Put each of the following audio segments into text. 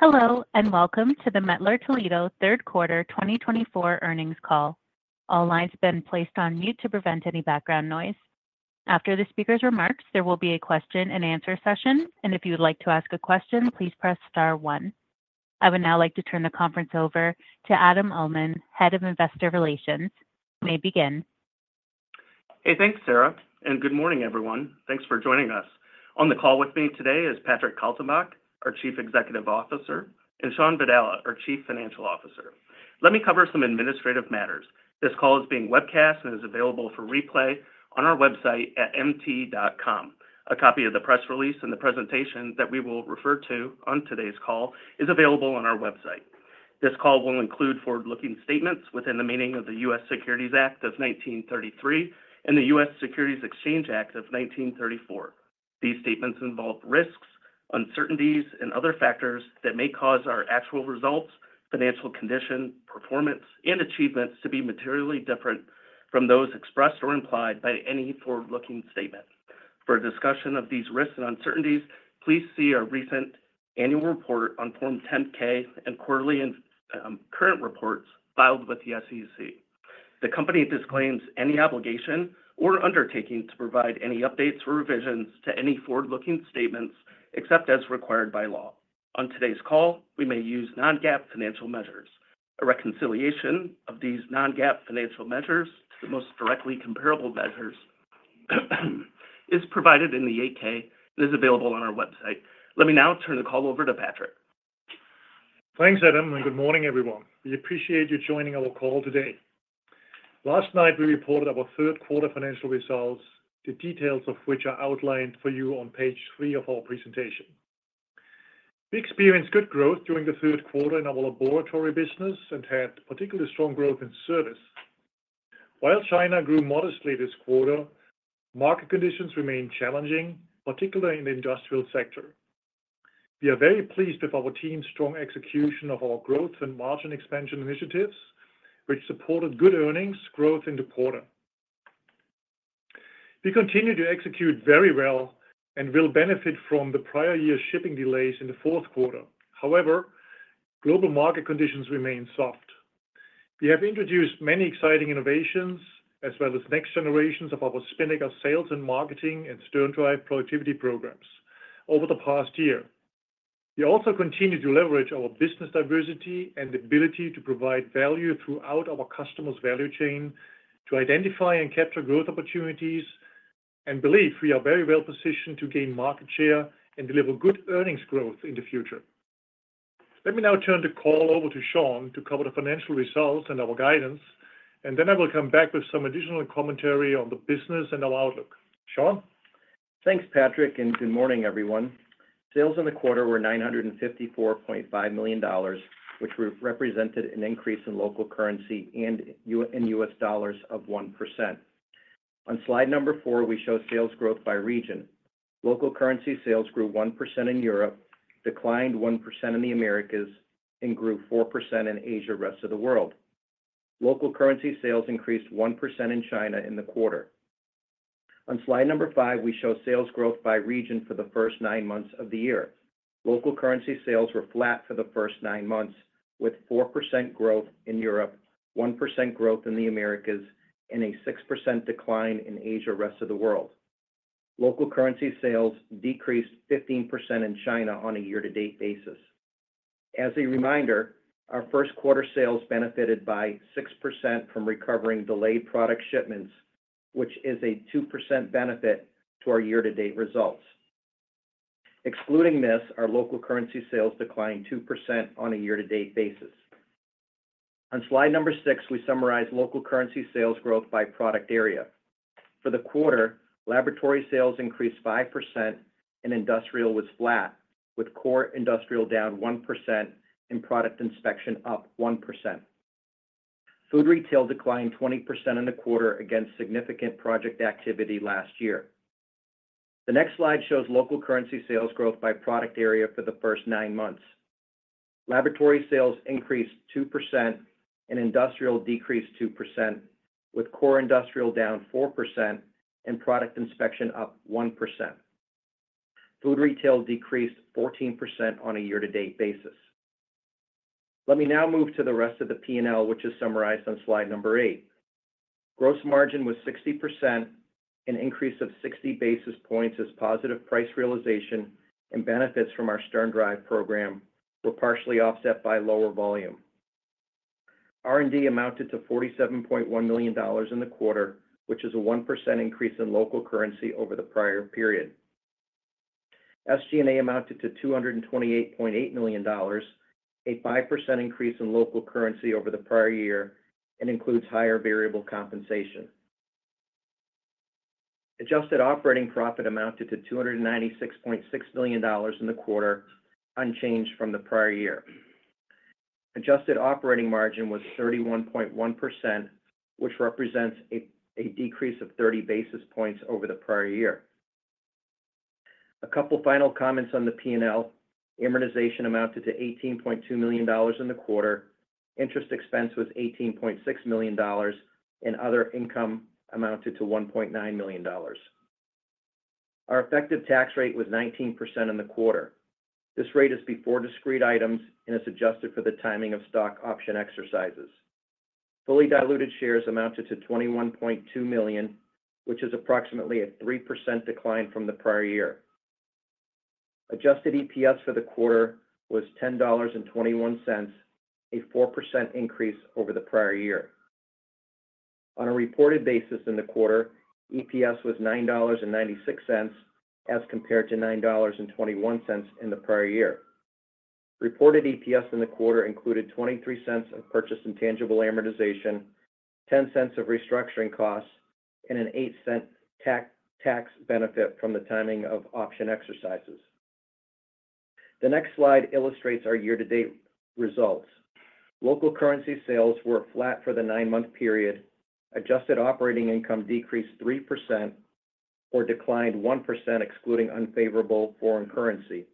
Hello, and welcome to the Mettler-Toledo third quarter 2024 earnings call. All lines have been placed on mute to prevent any background noise. After the speaker's remarks, there will be a question-and-answer session, and if you would like to ask a question, please press star one. I would now like to turn the conference over to Adam Uhlman, Head of Investor Relations. You may begin. Hey, thanks, Sarah, and good morning, everyone. Thanks for joining us. On the call with me today is Patrick Kaltenbach, our Chief Executive Officer, and Shawn Vadala, our Chief Financial Officer. Let me cover some administrative matters. This call is being webcast and is available for replay on our website at mt.com. A copy of the press release and the presentation that we will refer to on today's call is available on our website. This call will include forward-looking statements within the meaning of the U.S. Securities Act of 1933 and the U.S. Securities Exchange Act of 1934. These statements involve risks, uncertainties, and other factors that may cause our actual results, financial condition, performance, and achievements to be materially different from those expressed or implied by any forward-looking statement. For a discussion of these risks and uncertainties, please see our recent annual report on Form 10-K and quarterly and current reports filed with the SEC. The company disclaims any obligation or undertaking to provide any updates or revisions to any forward-looking statements except as required by law. On today's call, we may use non-GAAP financial measures. A reconciliation of these non-GAAP financial measures to the most directly comparable measures is provided in the 8-K and is available on our website. Let me now turn the call over to Patrick. Thanks, Adam, and good morning, everyone. We appreciate you joining our call today. Last night, we reported our third quarter financial results, the details of which are outlined for you on page three of our presentation. We experienced good growth during the third quarter in our Laboratory business and had particularly strong growth in service. While China grew modestly this quarter, market conditions remained challenging, particularly in the Industrial sector. We are very pleased with our team's strong execution of our growth and margin expansion initiatives, which supported good earnings growth in the quarter. We continue to execute very well and will benefit from the prior year's shipping delays in the fourth quarter. However, global market conditions remain soft. We have introduced many exciting innovations as well as next generations of our Spinnaker sales and marketing and SternDrive productivity programs over the past year. We also continue to leverage our business diversity and ability to provide value throughout our customers' value chain to identify and capture growth opportunities and believe we are very well positioned to gain market share and deliver good earnings growth in the future. Let me now turn the call over to Shawn to cover the financial results and our guidance, and then I will come back with some additional commentary on the business and our outlook. Shawn? Thanks, Patrick, and good morning, everyone. Sales in the quarter were $954.5 million, which represented an increase in local currency and in U.S. dollars of 1%. On slide number four, we show sales growth by region. Local currency sales grew 1% in Europe, declined 1% in the Americas, and grew 4% in Asia and the rest of the world. Local currency sales increased 1% in China in the quarter. On slide number five, we show sales growth by region for the first nine months of the year. Local currency sales were flat for the first nine months, with 4% growth in Europe, 1% growth in the Americas, and a 6% decline in Asia and the rest of the world. Local currency sales decreased 15% in China on a year-to-date basis. As a reminder, our first quarter sales benefited by 6% from recovering delayed product shipments, which is a 2% benefit to our year-to-date results. Excluding this, our local currency sales declined 2% on a year-to-date basis. On slide number six, we summarize local currency sales growth by product area. For the quarter, Laboratory sales increased 5% and Industrial was flat, with Core Industrial down 1% and Product Inspection up 1%. Food Retail declined 20% in the quarter against significant project activity last year. The next slide shows local currency sales growth by product area for the first nine months. Laboratory sales increased 2% and Industrial decreased 2%, with Core Industrial down 4% and Product Inspection up 1%. Food Retail decreased 14% on a year-to-date basis. Let me now move to the rest of the P&L, which is summarized on slide number eight. Gross margin was 60%, an increase of 60 basis points as positive price realization and benefits from our SternDrive program were partially offset by lower volume. R&D amounted to $47.1 million in the quarter, which is a 1% increase in local currency over the prior period. SG&A amounted to $228.8 million, a 5% increase in local currency over the prior year and includes higher variable compensation. Adjusted operating profit amounted to $296.6 million in the quarter, unchanged from the prior year. Adjusted operating margin was 31.1%, which represents a decrease of 30 basis points over the prior year. A couple of final comments on the P&L. Amortization amounted to $18.2 million in the quarter. Interest expense was $18.6 million, and other income amounted to $1.9 million. Our effective tax rate was 19% in the quarter. This rate is before discrete items and is adjusted for the timing of stock option exercises. Fully diluted shares amounted to 21.2 million, which is approximately a 3% decline from the prior year. Adjusted EPS for the quarter was $10.21, a 4% increase over the prior year. On a reported basis in the quarter, EPS was $9.96 as compared to $9.21 in the prior year. Reported EPS in the quarter included $0.23 of purchased intangible amortization, $0.10 of restructuring costs, and a $0.08 tax benefit from the timing of option exercises. The next slide illustrates our year-to-date results. Local currency sales were flat for the nine-month period. Adjusted operating income decreased 3% or declined 1%, excluding unfavorable foreign currency.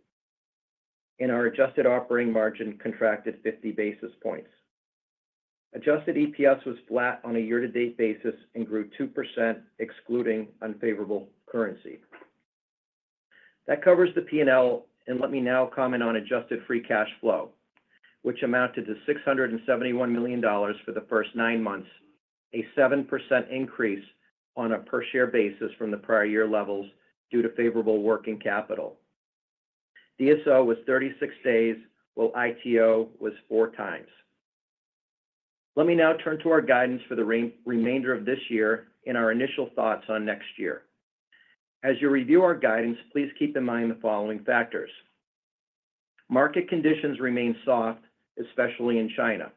And our adjusted operating margin contracted 50 basis points. Adjusted EPS was flat on a year-to-date basis and grew 2%, excluding unfavorable currency. That covers the P&L, and let me now comment on adjusted free cash flow, which amounted to $671 million for the first nine months, a 7% increase on a per-share basis from the prior year levels due to favorable working capital. DSO was 36 days, while ITO was four times. Let me now turn to our guidance for the remainder of this year and our initial thoughts on next year. As you review our guidance, please keep in mind the following factors. Market conditions remain soft, especially in China.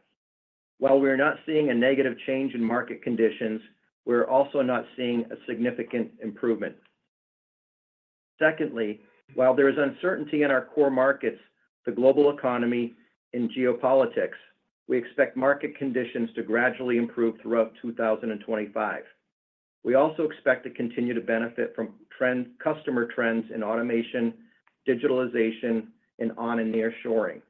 While we are not seeing a negative change in market conditions, we are also not seeing a significant improvement. Secondly, while there is uncertainty in our core markets, the global economy, and geopolitics, we expect market conditions to gradually improve throughout 2025. We also expect to continue to benefit from customer trends in automation, digitalization, and on-and-near shoring.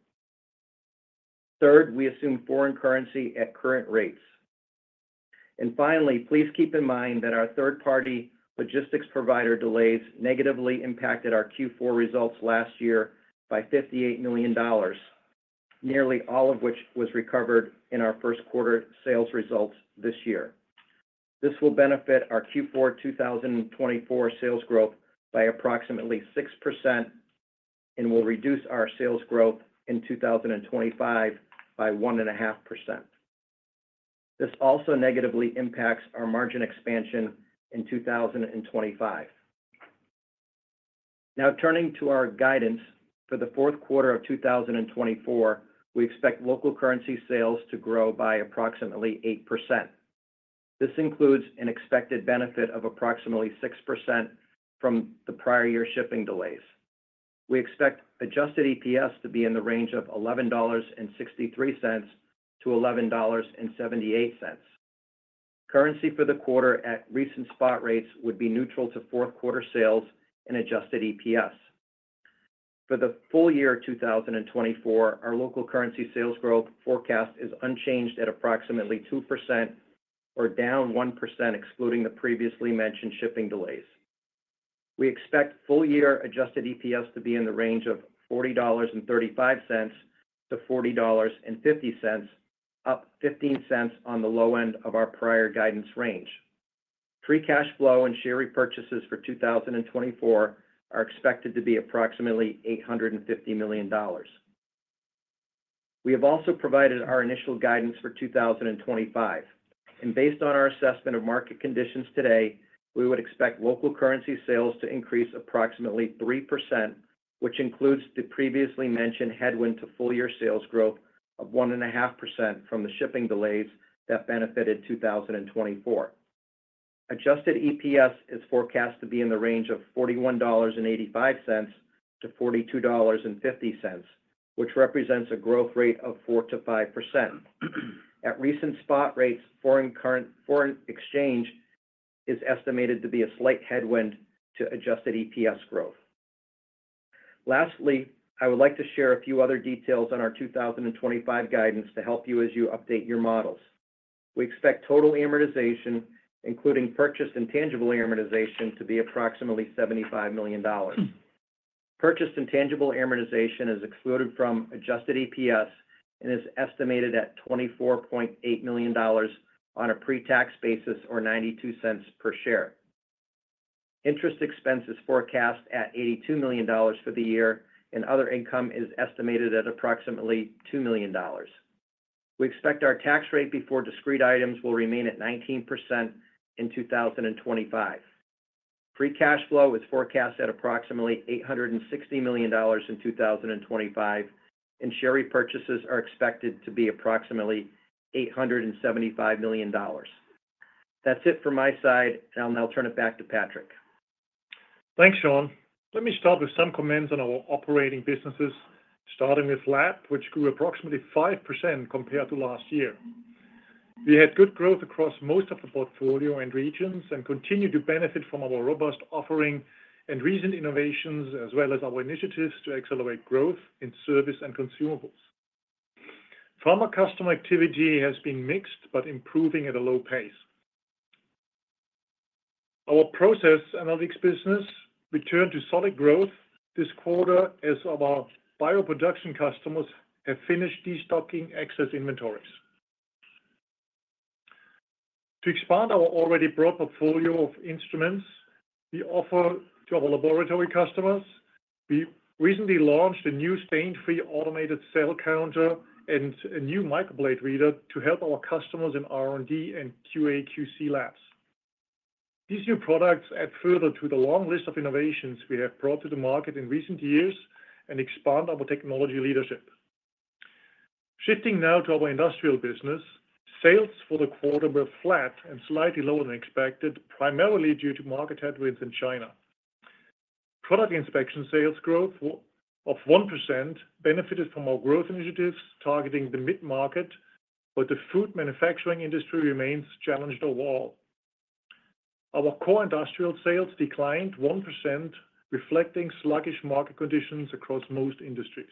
Third, we assume foreign currency at current rates. And finally, please keep in mind that our third-party logistics provider delays negatively impacted our Q4 results last year by $58 million, nearly all of which was recovered in our first quarter sales results this year. This will benefit our Q4 2024 sales growth by approximately 6% and will reduce our sales growth in 2025 by 1.5%. This also negatively impacts our margin expansion in 2025. Now, turning to our guidance for the fourth quarter of 2024, we expect local currency sales to grow by approximately 8%. This includes an expected benefit of approximately 6% from the prior year shipping delays. We expect adjusted EPS to be in the range of $11.63-$11.78. Currency for the quarter at recent spot rates would be neutral to fourth quarter sales and adjusted EPS. For the full year 2024, our local currency sales growth forecast is unchanged at approximately 2% or down 1%, excluding the previously mentioned shipping delays. We expect full-year adjusted EPS to be in the range of $40.35-$40.50, up $0.15 on the low end of our prior guidance range. Free cash flow and share repurchases for 2024 are expected to be approximately $850 million. We have also provided our initial guidance for 2025. And based on our assessment of market conditions today, we would expect local currency sales to increase approximately 3%, which includes the previously mentioned headwind to full-year sales growth of 1.5% from the shipping delays that benefited 2024. Adjusted EPS is forecast to be in the range of $41.85-$42.50, which represents a growth rate of 4%-5%. At recent spot rates, foreign exchange is estimated to be a slight headwind to adjusted EPS growth. Lastly, I would like to share a few other details on our 2025 guidance to help you as you update your models. We expect total amortization, including purchased intangible amortization, to be approximately $75 million. Purchased intangible amortization is excluded from adjusted EPS and is estimated at $24.8 million on a pre-tax basis or $0.92 per share. Interest expense is forecast at $82 million for the year, and other income is estimated at approximately $2 million. We expect our tax rate before discrete items will remain at 19% in 2025. Free cash flow is forecast at approximately $860 million in 2025, and share repurchases are expected to be approximately $875 million. That's it from my side, and I'll now turn it back to Patrick. Thanks, Shawn. Let me start with some comments on our operating businesses, starting with LAT, which grew approximately 5% compared to last year. We had good growth across most of the portfolio and regions and continue to benefit from our robust offering and recent innovations, as well as our initiatives to accelerate growth in service and consumables. Pharma customer activity has been mixed but improving at a low pace. Our Process Analytics business returned to solid growth this quarter as our bioproduction customers have finished destocking excess inventories. To expand our already broad portfolio of instruments we offer to our Laboratory customers, we recently launched a new stain-free automated cell counter and a new microplate reader to help our customers in R&D and QA/QC labs. These new products add further to the long list of innovations we have brought to the market in recent years and expand our technology leadership. Shifting now to our Industrial business, sales for the quarter were flat and slightly lower than expected, primarily due to market headwinds in China. Product Inspection sales growth of 1% benefited from our growth initiatives targeting the mid-market, but the food manufacturing industry remains challenged overall. Our Core Industrial sales declined 1%, reflecting sluggish market conditions across most industries.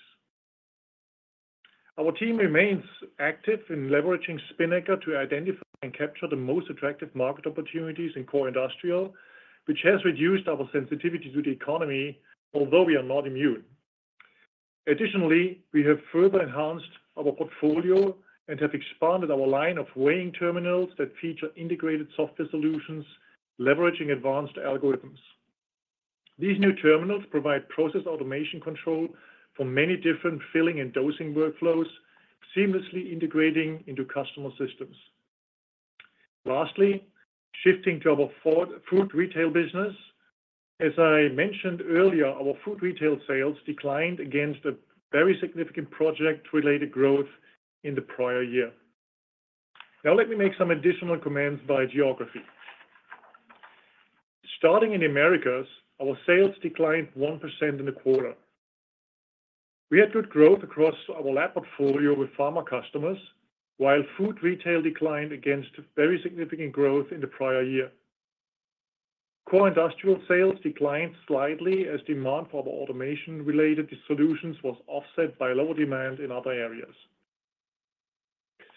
Our team remains active in leveraging Spinnaker to identify and capture the most attractive market opportunities in Core Industrial, which has reduced our sensitivity to the economy, although we are not immune. Additionally, we have further enhanced our portfolio and have expanded our line of weighing terminals that feature integrated software solutions, leveraging advanced algorithms. These new terminals provide process automation control for many different filling and dosing workflows, seamlessly integrating into customer systems. Lastly, shifting to our Food Retail business, as I mentioned earlier, our Food Retail sales declined against a very significant project-related growth in the prior year. Now, let me make some additional comments by geography. Starting in the Americas, our sales declined 1% in the quarter. We had good growth across our LAT portfolio with pharma customers, while Food Retail declined against very significant growth in the prior year. Core Industrial sales declined slightly as demand for our automation-related solutions was offset by lower demand in other areas.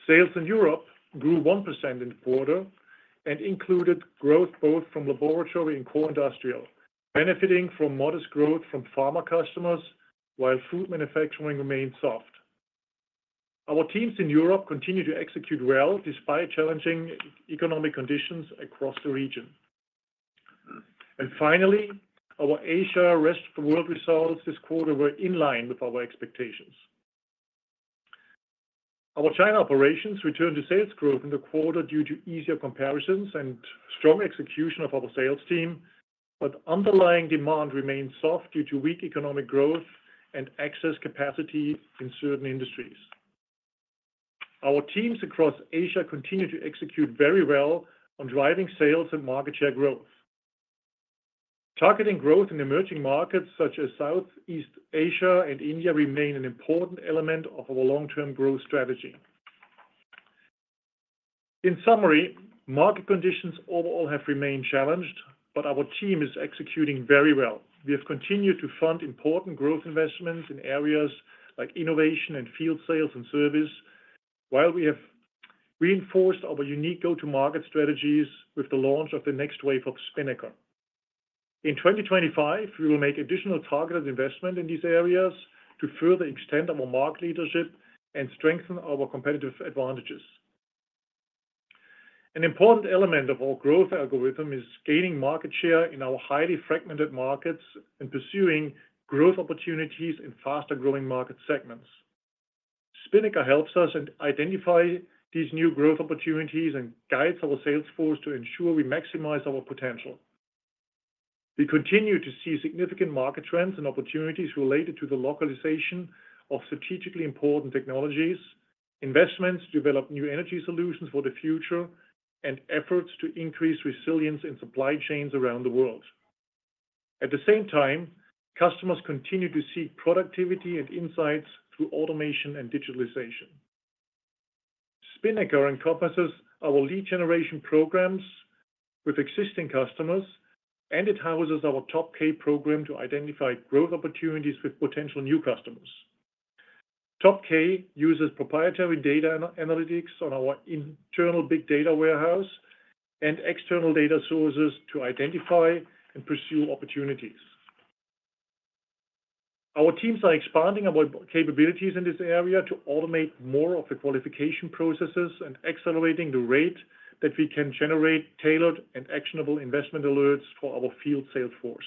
Sales in Europe grew 1% in the quarter and included growth both from Laboratory and Core Industrial, benefiting from modest growth from pharma customers, while food manufacturing remained soft. Our teams in Europe continue to execute well despite challenging economic conditions across the region, and finally, our Asia/Rest of the World results this quarter were in line with our expectations. Our China operations returned to sales growth in the quarter due to easier comparisons and strong execution of our sales team, but underlying demand remained soft due to weak economic growth and excess capacity in certain industries. Our teams across Asia continue to execute very well on driving sales and market share growth. Targeting growth in emerging markets such as Southeast Asia and India remains an important element of our long-term growth strategy. In summary, market conditions overall have remained challenged, but our team is executing very well. We have continued to fund important growth investments in areas like innovation and field sales and service, while we have reinforced our unique go-to-market strategies with the launch of the next wave of Spinnaker. In 2025, we will make additional targeted investment in these areas to further extend our market leadership and strengthen our competitive advantages. An important element of our growth algorithm is gaining market share in our highly fragmented markets and pursuing growth opportunities in faster-growing market segments. Spinnaker helps us identify these new growth opportunities and guides our sales force to ensure we maximize our potential. We continue to see significant market trends and opportunities related to the localization of strategically important technologies, investments to develop new energy solutions for the future, and efforts to increase resilience in supply chains around the world. At the same time, customers continue to seek productivity and insights through automation and digitalization. Spinnaker encompasses our lead generation programs with existing customers, and it houses our Top K program to identify growth opportunities with potential new customers. Top K uses proprietary data analytics on our internal big data warehouse and external data sources to identify and pursue opportunities. Our teams are expanding our capabilities in this area to automate more of the qualification processes and accelerating the rate that we can generate tailored and actionable investment alerts for our field sales force.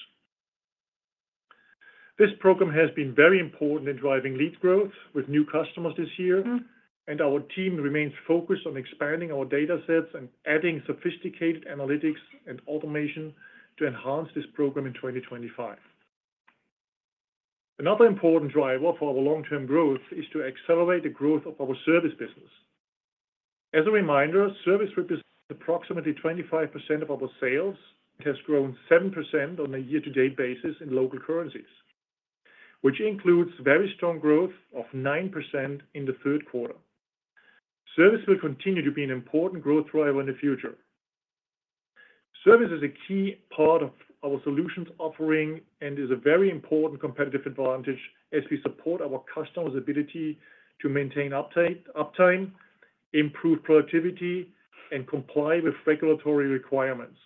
This program has been very important in driving lead growth with new customers this year, and our team remains focused on expanding our data sets and adding sophisticated analytics and automation to enhance this program in 2025. Another important driver for our long-term growth is to accelerate the growth of our service business. As a reminder, service represents approximately 25% of our sales and has grown 7% on a year-to-date basis in local currencies, which includes very strong growth of 9% in the third quarter. Service will continue to be an important growth driver in the future. Service is a key part of our solutions offering and is a very important competitive advantage as we support our customers' ability to maintain uptime, improve productivity, and comply with regulatory requirements.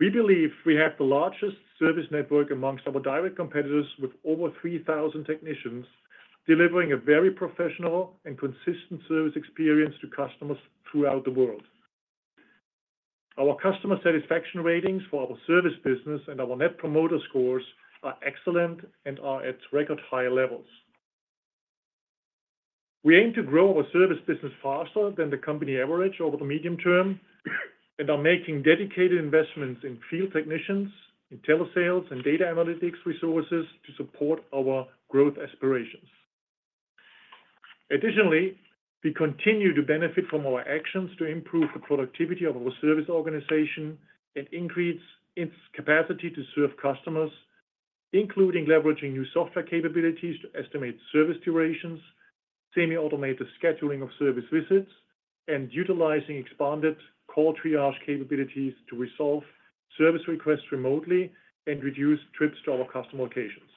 We believe we have the largest service network among our direct competitors with over 3,000 technicians delivering a very professional and consistent service experience to customers throughout the world. Our customer satisfaction ratings for our service business and our net promoter scores are excellent and are at record-high levels. We aim to grow our service business faster than the company average over the medium term and are making dedicated investments in field technicians, in telesales, and data analytics resources to support our growth aspirations. Additionally, we continue to benefit from our actions to improve the productivity of our service organization and increase its capacity to serve customers, including leveraging new software capabilities to estimate service durations, semi-automated scheduling of service visits, and utilizing expanded call triage capabilities to resolve service requests remotely and reduce trips to our customer locations.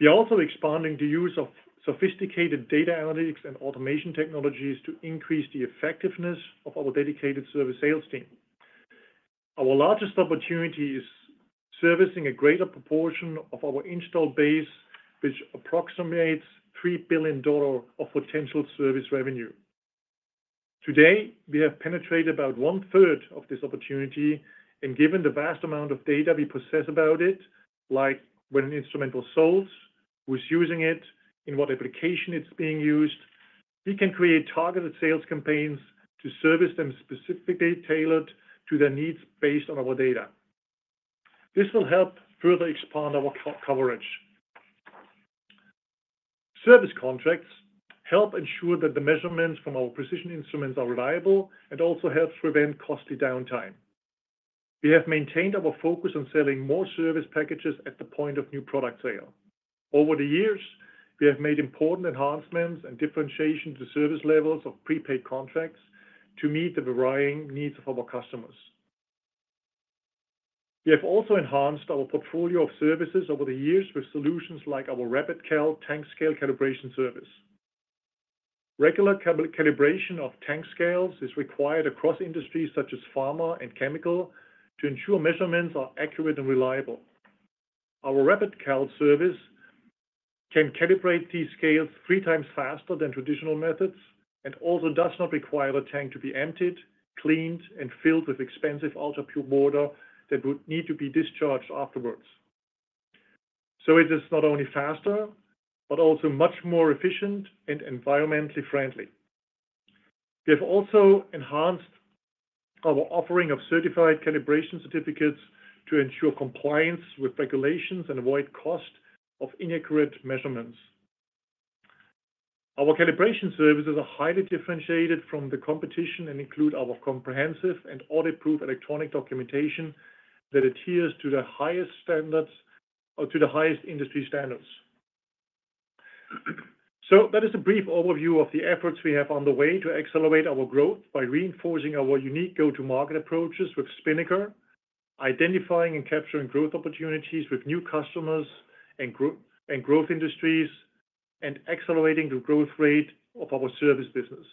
We are also expanding the use of sophisticated data analytics and automation technologies to increase the effectiveness of our dedicated service sales team. Our largest opportunity is servicing a greater proportion of our installed base, which approximates $3 billion of potential service revenue. Today, we have penetrated about one-third of this opportunity and, given the vast amount of data we possess about it, like when an instrument was sold, who is using it, in what application it's being used, we can create targeted sales campaigns to service them specifically tailored to their needs based on our data. This will help further expand our coverage. Service contracts help ensure that the measurements from our precision instruments are reliable and also help prevent costly downtime. We have maintained our focus on selling more service packages at the point of new product sale. Over the years, we have made important enhancements and differentiation to service levels of prepaid contracts to meet the varying needs of our customers. We have also enhanced our portfolio of services over the years with solutions like our RapidCal tank scale calibration service. Regular calibration of tank scales is required across industries such as pharma and chemical to ensure measurements are accurate and reliable. Our RapidCal service can calibrate these scales three times faster than traditional methods and also does not require a tank to be emptied, cleaned, and filled with expensive ultra-pure water that would need to be discharged afterwards. So it is not only faster, but also much more efficient and environmentally friendly. We have also enhanced our offering of certified calibration certificates to ensure compliance with regulations and avoid cost of inaccurate measurements. Our calibration services are highly differentiated from the competition and include our comprehensive and audit-proof electronic documentation that adheres to the highest standards or to the highest industry standards. So that is a brief overview of the efforts we have underway to accelerate our growth by reinforcing our unique go-to-market approaches with Spinnaker, identifying and capturing growth opportunities with new customers and growth industries, and accelerating the growth rate of our service business.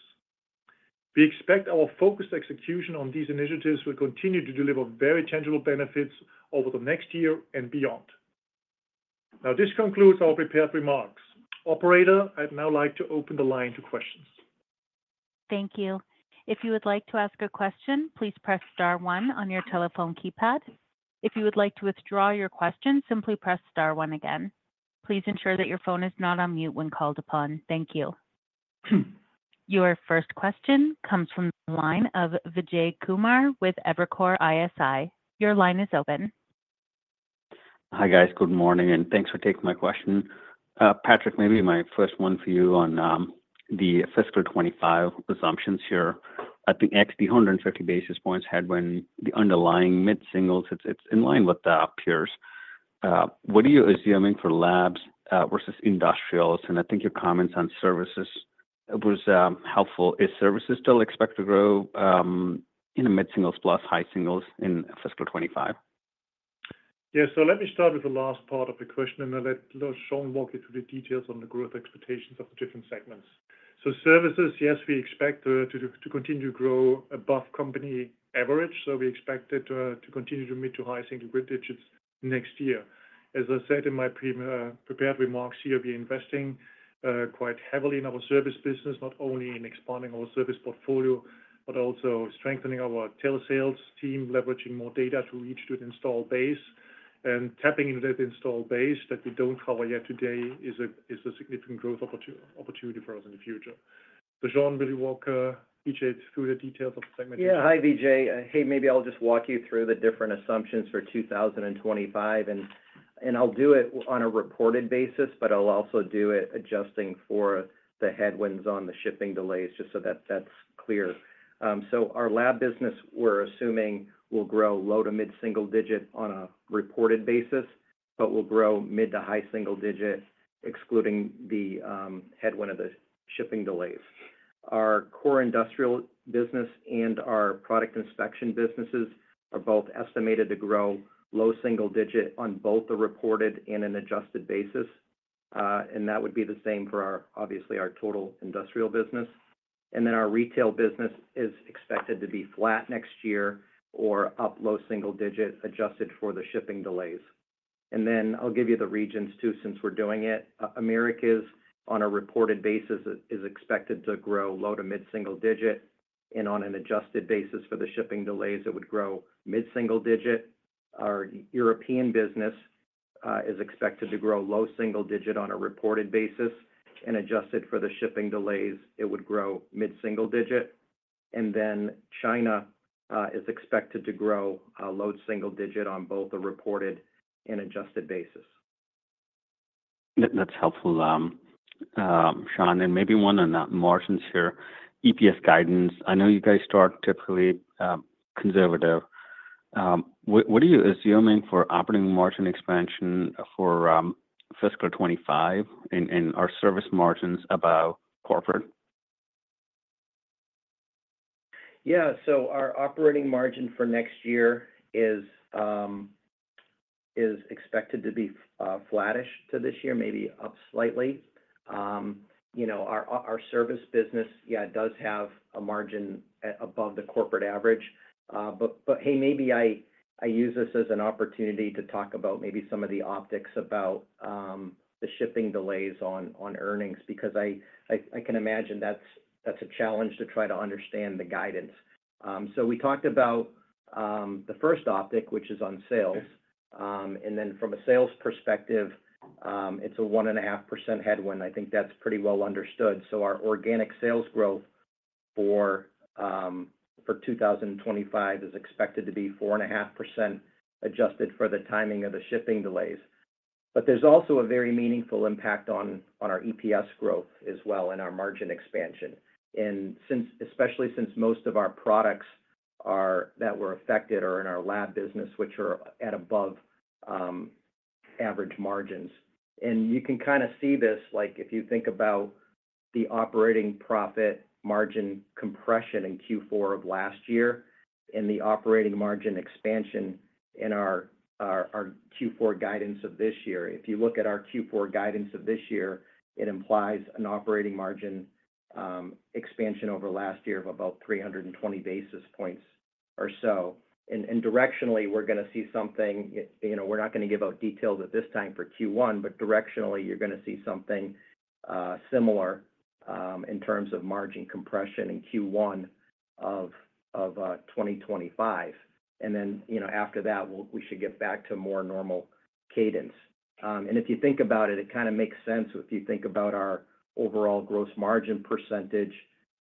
We expect our focused execution on these initiatives will continue to deliver very tangible benefits over the next year and beyond. Now, this concludes our prepared remarks. Operator, I'd now like to open the line to questions. Thank you. If you would like to ask a question, please press star one on your telephone keypad. If you would like to withdraw your question, simply press star one again. Please ensure that your phone is not on mute when called upon. Thank you. Your first question comes from the line of Vijay Kumar with Evercore ISI. Your line is open. Hi, guys. Good morning, and thanks for taking my question. Patrick, maybe my first one for you on the fiscal 2025 assumptions here. I think the 150 basis points had been the underlying mid-singles. It's in line with peers. What are you assuming for labs versus industrials? And I think your comments on services were helpful. Is services still expected to grow in the mid-singles plus high singles in fiscal 2025? Yeah. So let me start with the last part of the question, and I'll let Shawn walk you through the details on the growth expectations of the different segments. So services, yes, we expect to continue to grow above company average. So we expect it to continue to meet high single-digit next year. As I said in my prepared remarks here, we are investing quite heavily in our service business, not only in expanding our service portfolio, but also strengthening our telesales team, leveraging more data to reach to the installed base. And tapping into that installed base that we don't cover yet today is a significant growth opportunity for us in the future. So Shawn, will you walk Vijay through the details of the segment? Yeah. Hi, Vijay. Hey, maybe I'll just walk you through the different assumptions for 2025. And I'll do it on a reported basis, but I'll also do it adjusting for the headwinds on the shipping delays, just so that's clear. So our lab business, we're assuming, will grow low- to mid-single-digit on a reported basis, but will grow mid- to high-single-digit, excluding the headwind of the shipping delays. Our Core Industrial business and our Product Inspection businesses are both estimated to grow low-single-digit on both the reported and an adjusted basis. And that would be the same for, obviously, our total industrial business. And then our retail business is expected to be flat next year or up low-single-digit, adjusted for the shipping delays. And then I'll give you the regions too, since we're doing it. Americas, on a reported basis, is expected to grow low to mid-single digit. And on an adjusted basis for the shipping delays, it would grow mid-single digit. Our European business is expected to grow low single digit on a reported basis. And adjusted for the shipping delays, it would grow mid-single digit. And then China is expected to grow low single digit on both the reported and adjusted basis. That's helpful, Shawn. And maybe one on that margins here, EPS guidance. I know you guys start typically conservative. What are you assuming for operating margin expansion for fiscal 2025 and our service margins above corporate? Yeah, so our operating margin for next year is expected to be flattish to this year, maybe up slightly. Our service business, yeah, does have a margin above the corporate average, but hey, maybe I use this as an opportunity to talk about maybe some of the optics about the shipping delays on earnings, because I can imagine that's a challenge to try to understand the guidance, so we talked about the first optic, which is on sales. And then from a sales perspective, it's a 1.5% headwind. I think that's pretty well understood, so our organic sales growth for 2025 is expected to be 4.5% adjusted for the timing of the shipping delays. But there's also a very meaningful impact on our EPS growth as well and our margin expansion, especially since most of our products that were affected are in our lab business, which are at above average margins. And you can kind of see this if you think about the operating profit margin compression in Q4 of last year and the operating margin expansion in our Q4 guidance of this year. If you look at our Q4 guidance of this year, it implies an operating margin expansion over last year of about 320 basis points or so. And directionally, we're going to see something, we're not going to give out details at this time for Q1, but directionally, you're going to see something similar in terms of margin compression in Q1 of 2025. And then after that, we should get back to more normal cadence. If you think about it, it kind of makes sense if you think about our overall gross margin percentage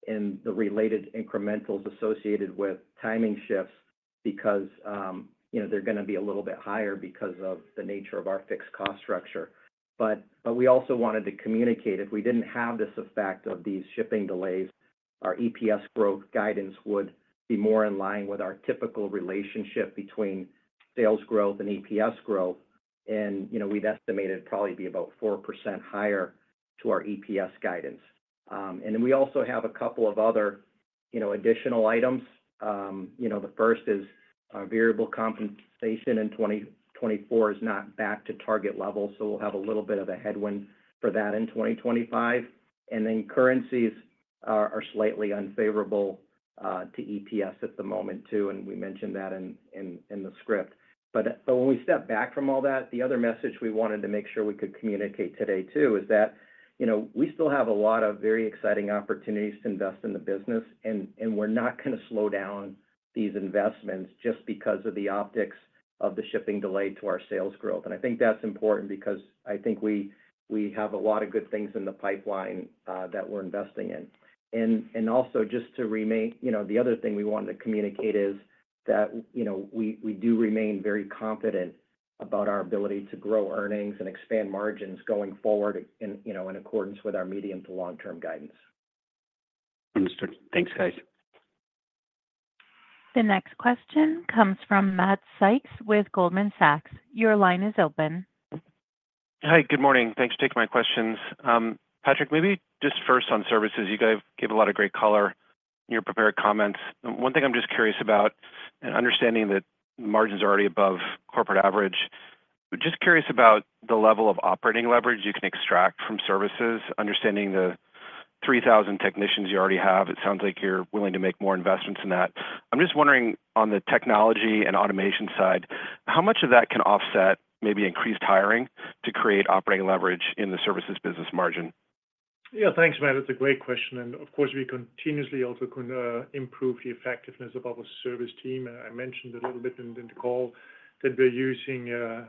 and the related incrementals associated with timing shifts, because they're going to be a little bit higher because of the nature of our fixed cost structure. We also wanted to communicate if we didn't have this effect of these shipping delays, our EPS growth guidance would be more in line with our typical relationship between sales growth and EPS growth. We'd estimate it'd probably be about 4% higher to our EPS guidance. We also have a couple of other additional items. The first is variable compensation in 2024 is not back to target levels, so we'll have a little bit of a headwind for that in 2025. Currencies are slightly unfavorable to EPS at the moment too, and we mentioned that in the script. But when we step back from all that, the other message we wanted to make sure we could communicate today too is that we still have a lot of very exciting opportunities to invest in the business, and we're not going to slow down these investments just because of the optics of the shipping delay to our sales growth. And I think that's important because I think we have a lot of good things in the pipeline that we're investing in. And also just to remain, the other thing we wanted to communicate is that we do remain very confident about our ability to grow earnings and expand margins going forward in accordance with our medium to long-term guidance. Understood. Thanks, guys. The next question comes from Matt Sykes with Goldman Sachs. Your line is open. Hi, good morning. Thanks for taking my questions. Patrick, maybe just first on services, you guys gave a lot of great color in your prepared comments. One thing I'm just curious about, and understanding that margins are already above corporate average, just curious about the level of operating leverage you can extract from services, understanding the 3,000 technicians you already have. It sounds like you're willing to make more investments in that. I'm just wondering on the technology and automation side, how much of that can offset maybe increased hiring to create operating leverage in the services business margin? Yeah. Thanks, Matt. That's a great question. And of course, we continuously also can improve the effectiveness of our service team. I mentioned a little bit in the call that we're using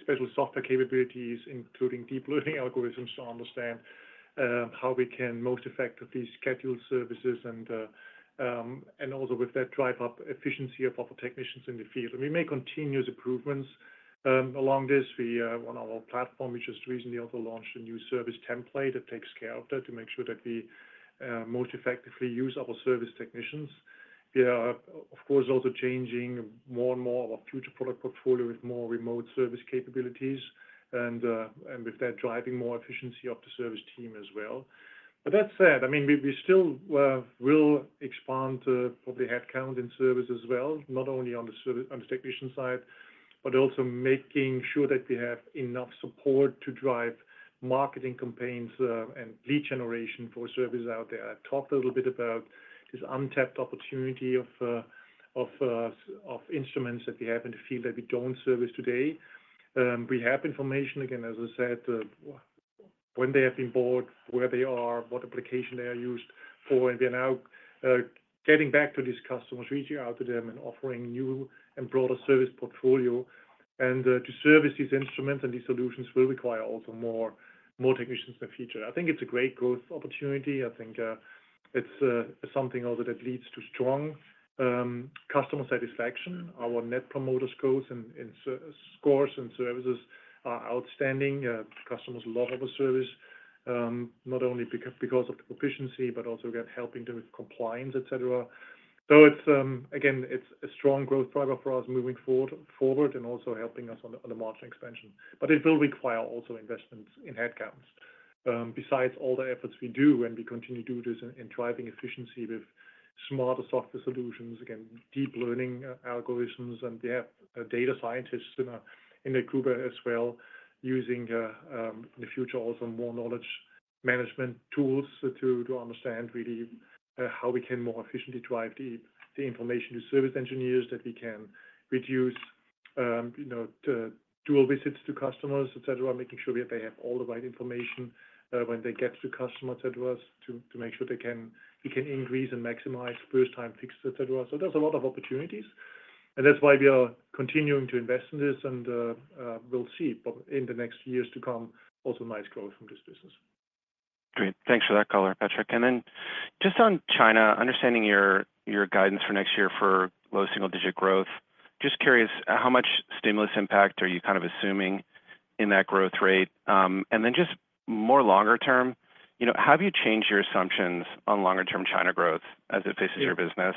special software capabilities, including deep learning algorithms, to understand how we can most effectively schedule services and also with that drive up efficiency of our technicians in the field. And we make continuous improvements along this. On our platform, we just recently also launched a new service template that takes care of that to make sure that we most effectively use our service technicians. We are, of course, also changing more and more of our future product portfolio with more remote service capabilities and with that driving more efficiency of the service team as well. But that said, I mean, we still will expand probably headcount in service as well, not only on the technician side, but also making sure that we have enough support to drive marketing campaigns and lead generation for services out there. I talked a little bit about this untapped opportunity of instruments that we have in the field that we don't service today. We have information, again, as I said, when they have been bought, where they are, what application they are used for. And we are now getting back to these customers, reaching out to them and offering new and broader service portfolio. And to service these instruments and these solutions will require also more technicians in the future. I think it's a great growth opportunity. I think it's something also that leads to strong customer satisfaction. Our net promoter scores and services are outstanding. Customers love our service, not only because of the proficiency, but also helping them with compliance, etc. So again, it's a strong growth driver for us moving forward and also helping us on the margin expansion. But it will require also investments in headcounts. Besides all the efforts we do and we continue to do this in driving efficiency with smarter software solutions, again, deep learning algorithms, and we have data scientists in the group as well using in the future also more knowledge management tools to understand really how we can more efficiently drive the information to service engineers that we can reduce dual visits to customers, etc., making sure that they have all the right information when they get to the customer, etc., to make sure we can increase and maximize first-time fixes, etc. So there's a lot of opportunities. That's why we are continuing to invest in this, and we'll see in the next years to come also nice growth from this business. Great. Thanks for that color, Patrick. And then just on China, understanding your guidance for next year for low single digit growth, just curious, how much stimulus impact are you kind of assuming in that growth rate? And then just more longer term, how have you changed your assumptions on longer-term China growth as it faces your business?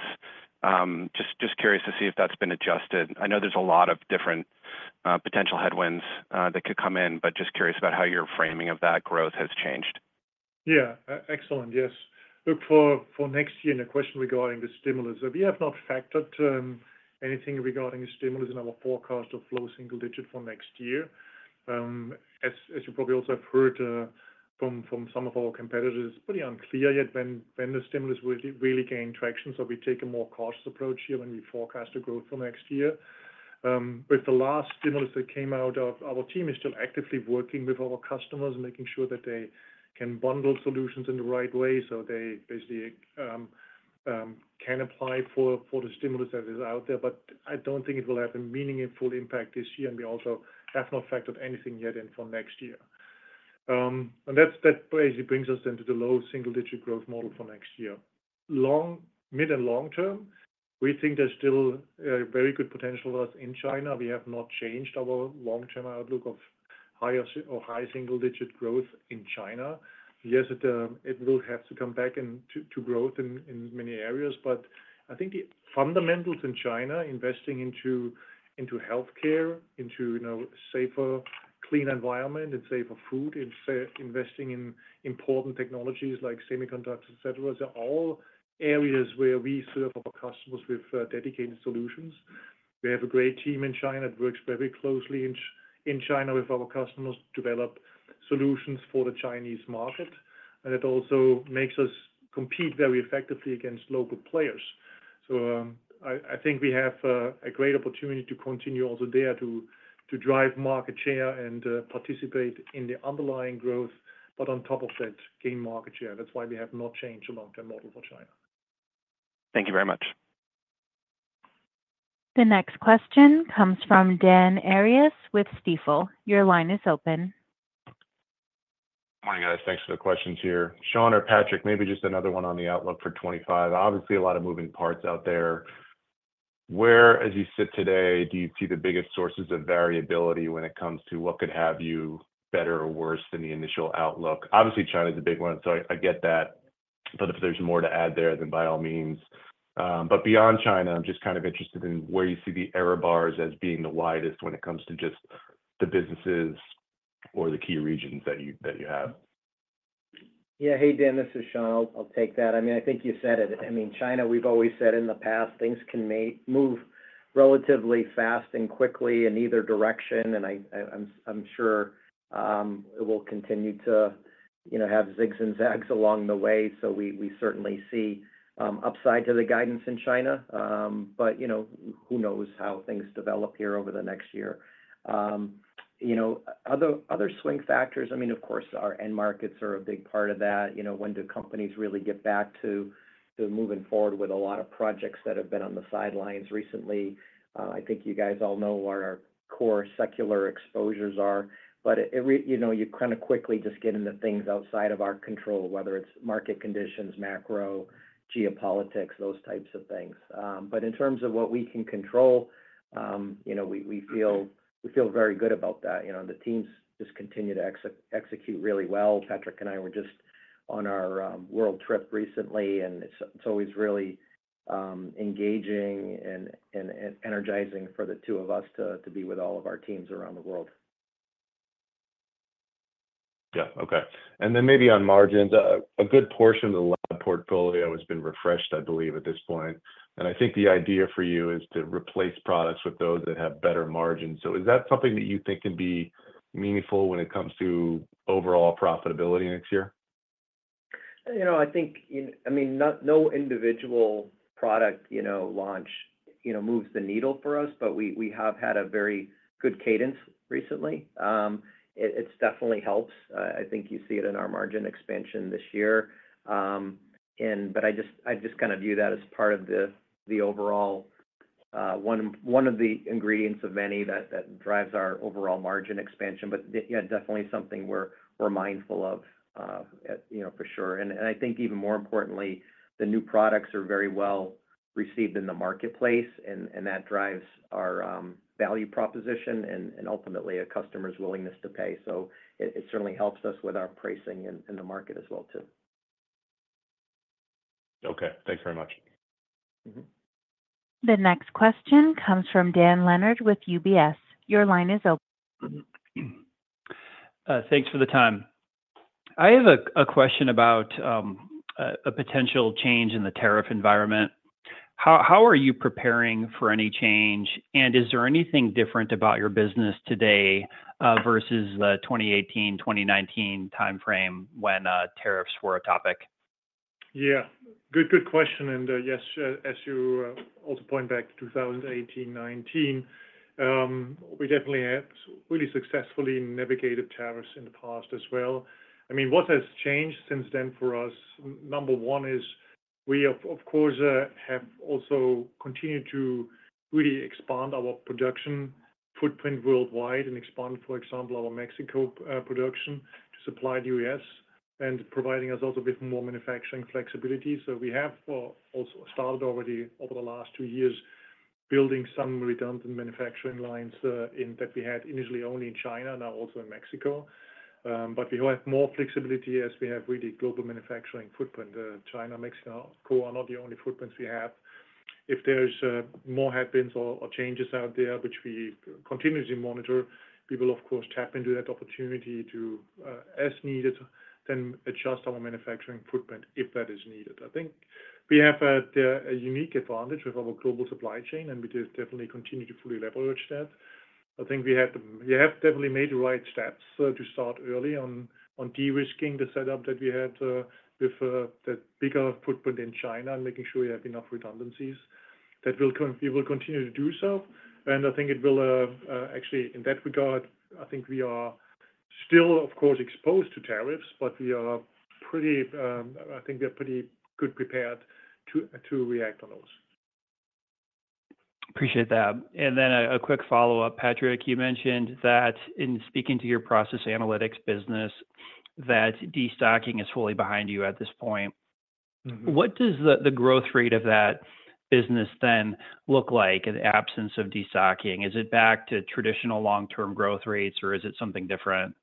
Just curious to see if that's been adjusted. I know there's a lot of different potential headwinds that could come in, but just curious about how your framing of that growth has changed. Yeah. Excellent. Yes. Look for next year in a question regarding the stimulus. We have not factored anything regarding stimulus in our forecast of low single-digit for next year. As you probably also have heard from some of our competitors, it's pretty unclear yet when the stimulus will really gain traction, so we take a more cautious approach here when we forecast the growth for next year. With the last stimulus that came out, our team is still actively working with our customers, making sure that they can bundle solutions in the right way so they basically can apply for the stimulus that is out there, but I don't think it will have a meaningful impact this year, and we also have not factored anything yet in for next year, and that basically brings us into the low single-digit growth model for next year. Long-, mid-, and long-term, we think there's still very good potential for us in China. We have not changed our long-term outlook of high single-digit growth in China. Yes, it will have to come back to growth in many areas. But I think the fundamentals in China, investing into healthcare, into safer, cleaner environment, and safer food, investing in important technologies like semiconductors, etc., they're all areas where we serve our customers with dedicated solutions. We have a great team in China that works very closely in China with our customers to develop solutions for the Chinese market. And it also makes us compete very effectively against local players. So I think we have a great opportunity to continue also there to drive market share and participate in the underlying growth, but on top of that, gain market share. That's why we have not changed the long-term model for China. Thank you very much. The next question comes from Dan Arias with Stifel. Your line is open. Morning, guys. Thanks for the questions here. Shawn or Patrick, maybe just another one on the outlook for 2025. Obviously, a lot of moving parts out there. Where, as you sit today, do you see the biggest sources of variability when it comes to what could have you better or worse than the initial outlook? Obviously, China is a big one, so I get that. But if there's more to add there, then by all means. But beyond China, I'm just kind of interested in where you see the error bars as being the widest when it comes to just the businesses or the key regions that you have. Yeah. Hey, Dan, this is Shawn. I'll take that. I mean, I think you said it. I mean, China, we've always said in the past, things can move relatively fast and quickly in either direction. And I'm sure it will continue to have zigs and zags along the way. So we certainly see upside to the guidance in China. But who knows how things develop here over the next year? Other swing factors, I mean, of course, our end markets are a big part of that. When do companies really get back to moving forward with a lot of projects that have been on the sidelines recently? I think you guys all know what our core secular exposures are. But you kind of quickly just get into things outside of our control, whether it's market conditions, macro, geopolitics, those types of things. But in terms of what we can control, we feel very good about that. The teams just continue to execute really well. Patrick and I were just on our world trip recently, and it's always really engaging and energizing for the two of us to be with all of our teams around the world. Yeah. Okay. And then maybe on margins, a good portion of the lab portfolio has been refreshed, I believe, at this point. And I think the idea for you is to replace products with those that have better margins. So is that something that you think can be meaningful when it comes to overall profitability next year? I think, I mean, no individual product launch moves the needle for us, but we have had a very good cadence recently. It definitely helps. I think you see it in our margin expansion this year. But I just kind of view that as part of the overall one of the ingredients of many that drives our overall margin expansion. But yeah, definitely something we're mindful of for sure. And I think even more importantly, the new products are very well received in the marketplace, and that drives our value proposition and ultimately a customer's willingness to pay. So it certainly helps us with our pricing in the market as well too. Okay. Thanks very much. The next question comes from Dan Leonard with UBS. Your line is open. Thanks for the time. I have a question about a potential change in the tariff environment. How are you preparing for any change, and is there anything different about your business today versus the 2018, 2019 timeframe when tariffs were a topic? Yeah. Good question. And yes, as you also point back to 2018, 2019, we definitely have really successfully navigated tariffs in the past as well. I mean, what has changed since then for us? Number one is we, of course, have also continued to really expand our production footprint worldwide and expand, for example, our Mexico production to supply the U.S. and providing us also with more manufacturing flexibility. So we have also started already over the last two years building some redundant manufacturing lines that we had initially only in China and now also in Mexico. But we have more flexibility as we have really global manufacturing footprint. China, Mexico, are not the only footprints we have. If there's more headwinds or changes out there, which we continuously monitor, we will, of course, tap into that opportunity to, as needed, then adjust our manufacturing footprint if that is needed. I think we have a unique advantage with our global supply chain, and we definitely continue to fully leverage that. I think we have definitely made the right steps to start early on de-risking the setup that we had with the bigger footprint in China and making sure we have enough redundancies. We will continue to do so, and I think it will actually, in that regard, I think we are still, of course, exposed to tariffs, but we are pretty, I think we are pretty good prepared to react on those. Appreciate that. And then a quick follow-up, Patrick. You mentioned that in speaking to your Process Analytics business, that destocking is fully behind you at this point. What does the growth rate of that business then look like in the absence of destocking? Is it back to traditional long-term growth rates, or is it something different?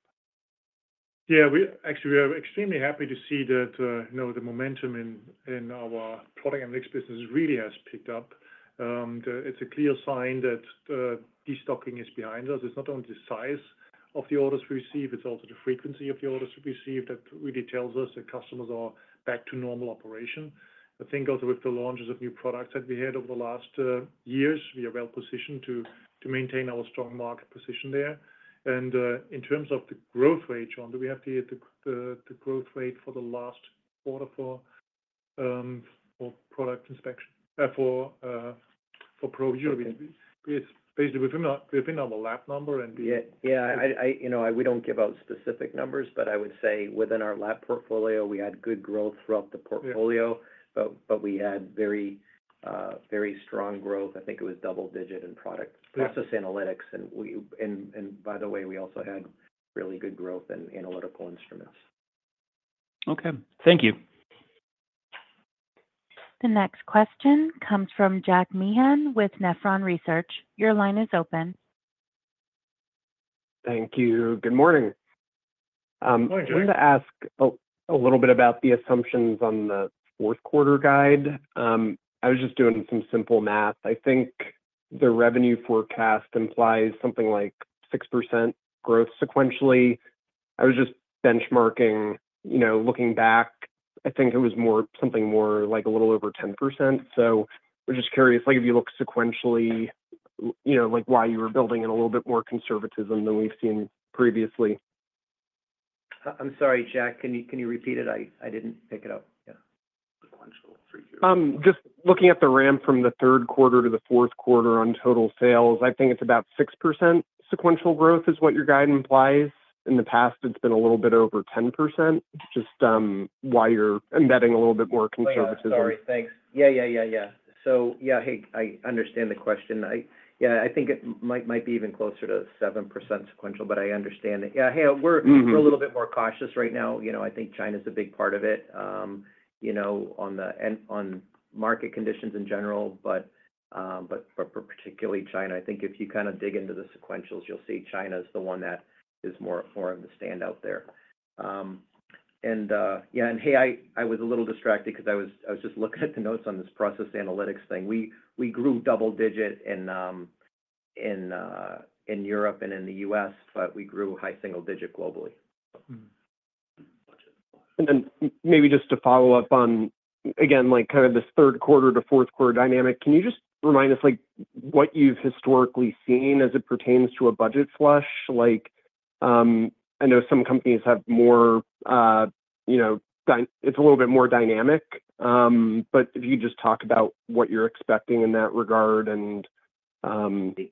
Yeah. Actually, we are extremely happy to see that the momentum in our Product Inspection business really has picked up. It's a clear sign that destocking is behind us. It's not only the size of the orders we receive, it's also the frequency of the orders we receive that really tells us that customers are back to normal operation. I think also with the launches of new products that we had over the last years, we are well positioned to maintain our strong market position there. And in terms of the growth rate, Shawn, do we have the growth rate for the last quarter for Product Inspection for ProView? It's basically within our Lab number and. Yeah. We don't give out specific numbers, but I would say within our lab portfolio, we had good growth throughout the portfolio, but we had very strong growth. I think it was double-digit in product Process Analytics. And by the way, we also had really good growth in analytical instruments. Okay. Thank you. The next question comes from Jack Meehan with Nephron Research. Your line is open. Thank you. Good morning. I wanted to ask a little bit about the assumptions on the fourth quarter guide. I was just doing some simple math. I think the revenue forecast implies something like 6% growth sequentially. I was just benchmarking, looking back. I think it was something more like a little over 10%. So I was just curious, if you look sequentially, why you were building in a little bit more conservatism than we've seen previously? I'm sorry, Jack, can you repeat it? I didn't pick it up. Yeah. Sequential. Just looking at the ramp from the third quarter to the fourth quarter on total sales, I think it's about 6% sequential growth is what your guide implies. In the past, it's been a little bit over 10%, just why you're embedding a little bit more conservatism. I'm sorry. Thanks. Yeah, yeah, yeah, yeah. So yeah, hey, I understand the question. Yeah, I think it might be even closer to 7% sequential, but I understand it. Yeah. Hey, we're a little bit more cautious right now. I think China is a big part of it on market conditions in general, but particularly China. I think if you kind of dig into the sequentials, you'll see China is the one that is more of the standout there, and yeah, and hey, I was a little distracted because I was just looking at the notes on this Process Analytics thing. We grew double-digit in Europe and in the U.S., but we grew high single digit globally. And then maybe just to follow up on, again, kind of this third quarter to fourth quarter dynamic, can you just remind us what you've historically seen as it pertains to a budget flush? I know some companies have more, it's a little bit more dynamic. But if you could just talk about what you're expecting in that regard and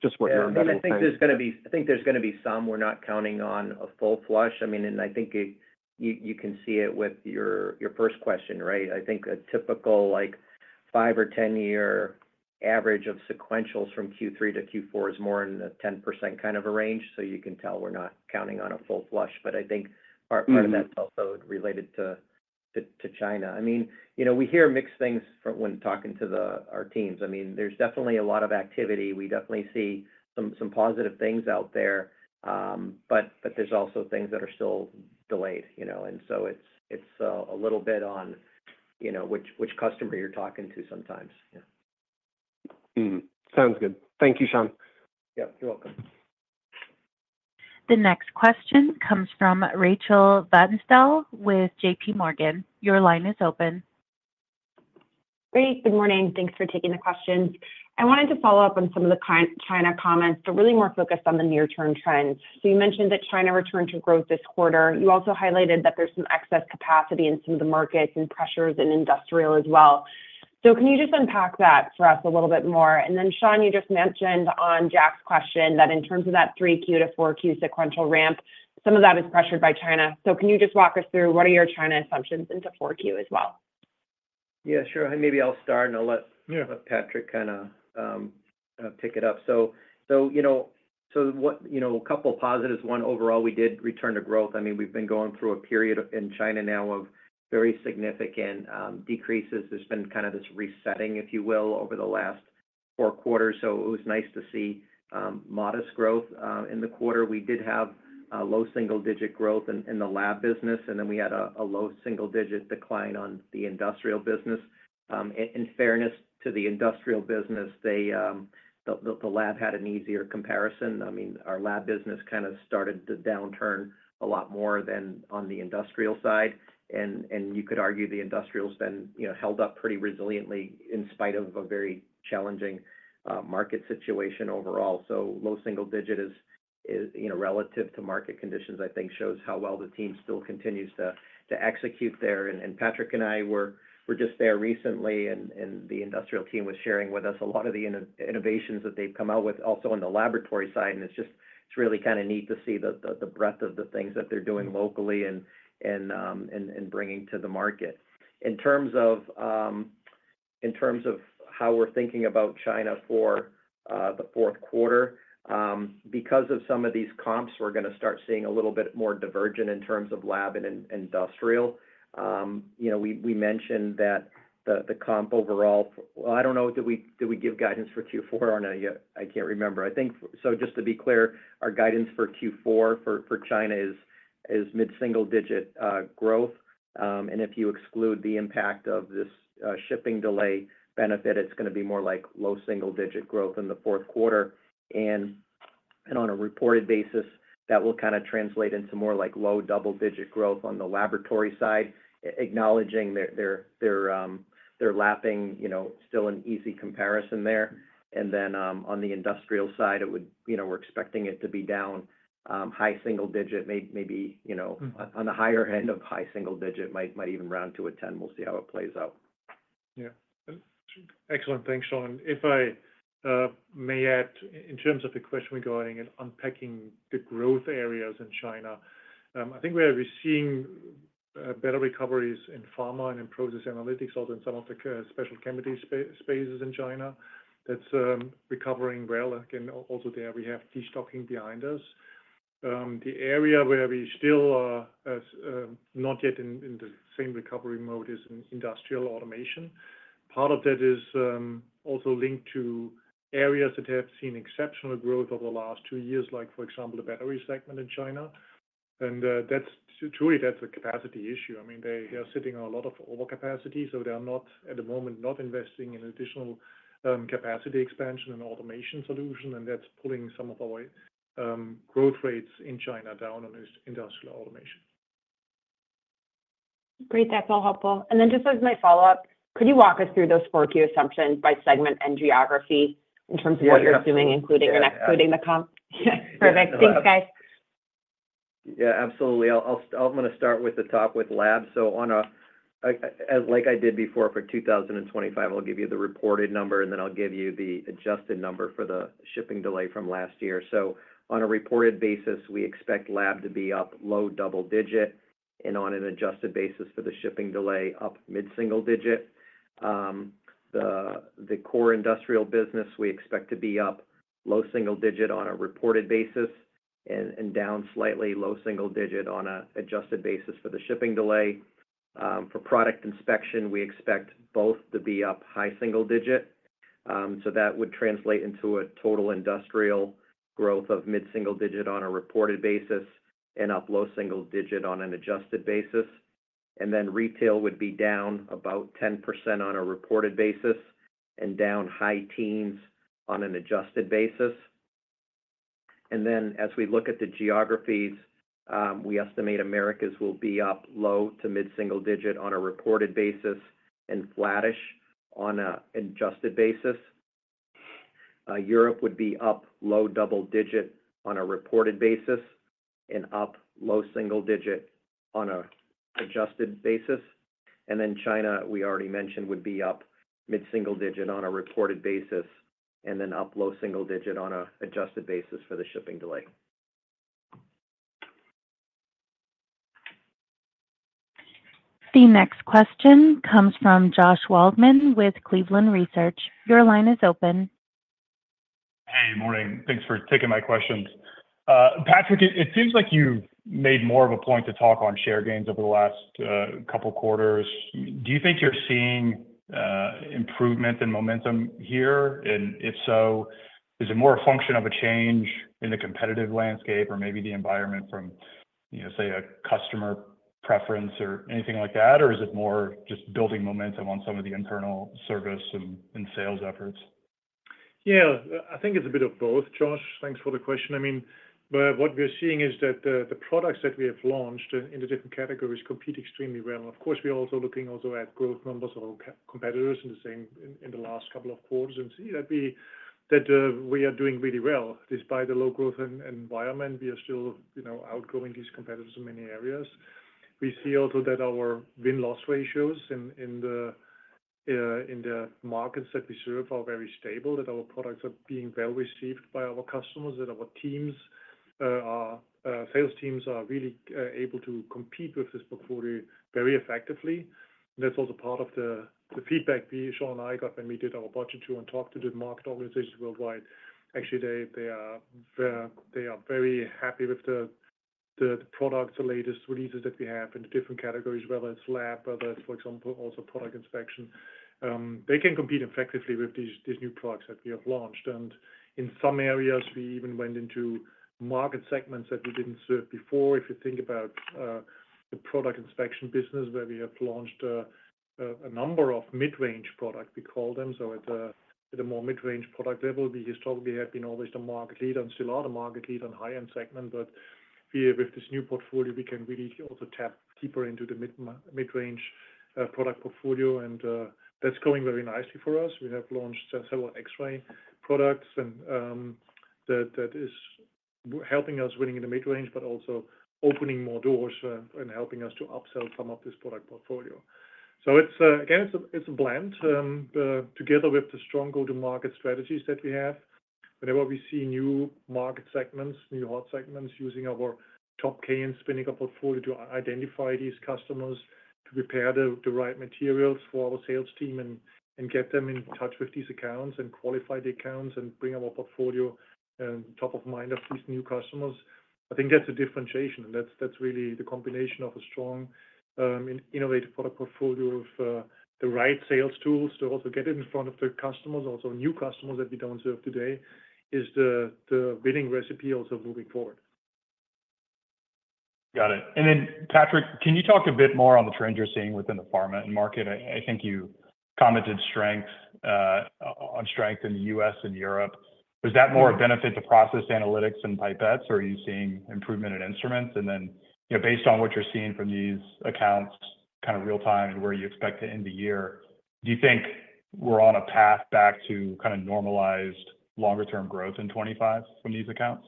just what you're embedding in that. Yeah. And I think there's going to be. I think there's going to be some. We're not counting on a full flush. I mean, and I think you can see it with your first question, right? I think a typical five or 10-year average of sequentials from Q3 to Q4 is more in the 10% kind of a range. So you can tell we're not counting on a full flush. But I think part of that's also related to China. I mean, we hear mixed things when talking to our teams. I mean, there's definitely a lot of activity. We definitely see some positive things out there, but there's also things that are still delayed. And so it's a little bit on which customer you're talking to sometimes. Yeah. Sounds good. Thank you, Shawn. Yep. You're welcome. The next question comes from Rachel Vatnsdal with JPMorgan. Your line is open. Great. Good morning. Thanks for taking the questions. I wanted to follow up on some of the China comments, but really more focused on the near-term trends. So you mentioned that China returned to growth this quarter. You also highlighted that there's some excess capacity in some of the markets and pressures in industrial as well. So can you just unpack that for us a little bit more? And then, Shawn, you just mentioned on Jack's question that in terms of that 3Q to 4Q sequential ramp, some of that is pressured by China. So can you just walk us through what are your China assumptions into 4Q as well? Yeah. Sure. Maybe I'll start, and I'll let Patrick kind of pick it up, so a couple of positives. One, overall, we did return to growth. I mean, we've been going through a period in China now of very significant decreases. There's been kind of this resetting, if you will, over the last four quarters, so it was nice to see modest growth in the quarter. We did have low single-digit growth in the lab business, and then we had a low single-digit decline on the industrial business. In fairness to the industrial business, the lab had an easier comparison. I mean, our lab business kind of started to downturn a lot more than on the industrial side, and you could argue the industrials then held up pretty resiliently in spite of a very challenging market situation overall. So low single-digit relative to market conditions, I think, shows how well the team still continues to execute there. And Patrick and I were just there recently, and the industrial team was sharing with us a lot of the innovations that they've come out with also on the Laboratory side. And it's just really kind of neat to see the breadth of the things that they're doing locally and bringing to the market. In terms of how we're thinking about China for the fourth quarter, because of some of these comps, we're going to start seeing a little bit more divergence in terms of lab and industrial. We mentioned that the comp overall, well, I don't know. Did we give guidance for Q4? I can't remember. So just to be clear, our guidance for Q4 for China is mid-single-digit growth. And if you exclude the impact of this shipping delay benefit, it's going to be more like low single-digit growth in the fourth quarter. And on a reported basis, that will kind of translate into more like low double-digit growth on the Laboratory side, acknowledging their lapping, still an easy comparison there. And then on the industrial side, we're expecting it to be down high single digit, maybe on the higher end of high single digit, might even round to a 10. We'll see how it plays out. Yeah. Excellent. Thanks, Shawn. If I may add, in terms of the question regarding unpacking the growth areas in China, I think we are seeing better recoveries in pharma and in Process Analytics, also in some of the special chemical spaces in China. That's recovering well. Again, also there, we have destocking behind us. The area where we still are not yet in the same recovery mode is in industrial automation. Part of that is also linked to areas that have seen exceptional growth over the last two years, like, for example, the battery segment in China, and truly, that's a capacity issue. I mean, they are sitting on a lot of overcapacity, so they are not, at the moment, investing in additional capacity expansion and automation solutions, and that's pulling some of our growth rates in China down on industrial automation. Great. That's all helpful. And then just as my follow-up, could you walk us through those 4Q assumptions by segment and geography in terms of what you're assuming, including the comp? Perfect. Thanks, guys. Yeah. Absolutely. I'm going to start with the top with lab. So like I did before for 2025, I'll give you the reported number, and then I'll give you the adjusted number for the shipping delay from last year. So on a reported basis, we expect lab to be up low double-digit, and on an adjusted basis for the shipping delay, up mid-single digit. The Core Industrial business, we expect to be up low single digit on a reported basis and down slightly low single digit on an adjusted basis for the shipping delay. For Product Inspection, we expect both to be up high single digit. So that would translate into a total industrial growth of mid-single digit on a reported basis and up low single digit on an adjusted basis. And then retail would be down about 10% on a reported basis and down high teens on an adjusted basis. And then as we look at the geographies, we estimate Americas will be up low to mid-single digit on a reported basis and flattish on an adjusted basis. Europe would be up low double-digit on a reported basis and up low single digit on an adjusted basis. And then China, we already mentioned, would be up mid-single digit on a reported basis and then up low single digit on an adjusted basis for the shipping delay. The next question comes from Josh Waldman with Cleveland Research. Your line is open. Hey, morning. Thanks for taking my questions. Patrick, it seems like you've made more of a point to talk on share gains over the last couple of quarters. Do you think you're seeing improvement in momentum here? And if so, is it more a function of a change in the competitive landscape or maybe the environment from, say, a customer preference or anything like that? Or is it more just building momentum on some of the internal service and sales efforts? Yeah. I think it's a bit of both, Josh. Thanks for the question. I mean, what we're seeing is that the products that we have launched in the different categories compete extremely well. And of course, we're also looking at growth numbers of our competitors in the last couple of quarters and see that we are doing really well. Despite the low growth environment, we are still outgrowing these competitors in many areas. We see also that our win-loss ratios in the markets that we serve are very stable, that our products are being well received by our customers, that our sales teams are really able to compete with this portfolio very effectively. And that's also part of the feedback Shawn and I got when we did our budget tour and talked to the market organizations worldwide. Actually, they are very happy with the products, the latest releases that we have in the different categories, whether it's lab, whether it's, for example, also Product Inspection. They can compete effectively with these new products that we have launched. And in some areas, we even went into market segments that we didn't serve before. If you think about the Product Inspection business, where we have launched a number of mid-range products, we call them. So at a more mid-range product level, we historically have been always the market leader and still are the market leader in high-end segment. But with this new portfolio, we can really also tap deeper into the mid-range product portfolio. And that's going very nicely for us. We have launched several X-ray products, and that is helping us winning in the mid-range, but also opening more doors and helping us to upsell some of this product portfolio. Again, it's a blend together with the strong go-to-market strategies that we have. Whenever we see new market segments, new hot segments, using our Top K Spinnaker portfolio to identify these customers, to prepare the right materials for our sales team, and get them in touch with these accounts and qualify the accounts and bring our portfolio top of mind of these new customers. I think that's a differentiation. That's really the combination of a strong, innovative product portfolio with the right sales tools to also get in front of the customers, also new customers that we don't serve today, is the winning recipe also moving forward. Got it. And then, Patrick, can you talk a bit more on the trend you're seeing within the pharma end market? I think you commented on strength in the U.S. and Europe. Is that more a benefit to Process Analytics and pipettes, or are you seeing improvement in instruments? And then based on what you're seeing from these accounts kind of real-time and where you expect to end the year, do you think we're on a path back to kind of normalized longer-term growth in 2025 from these accounts?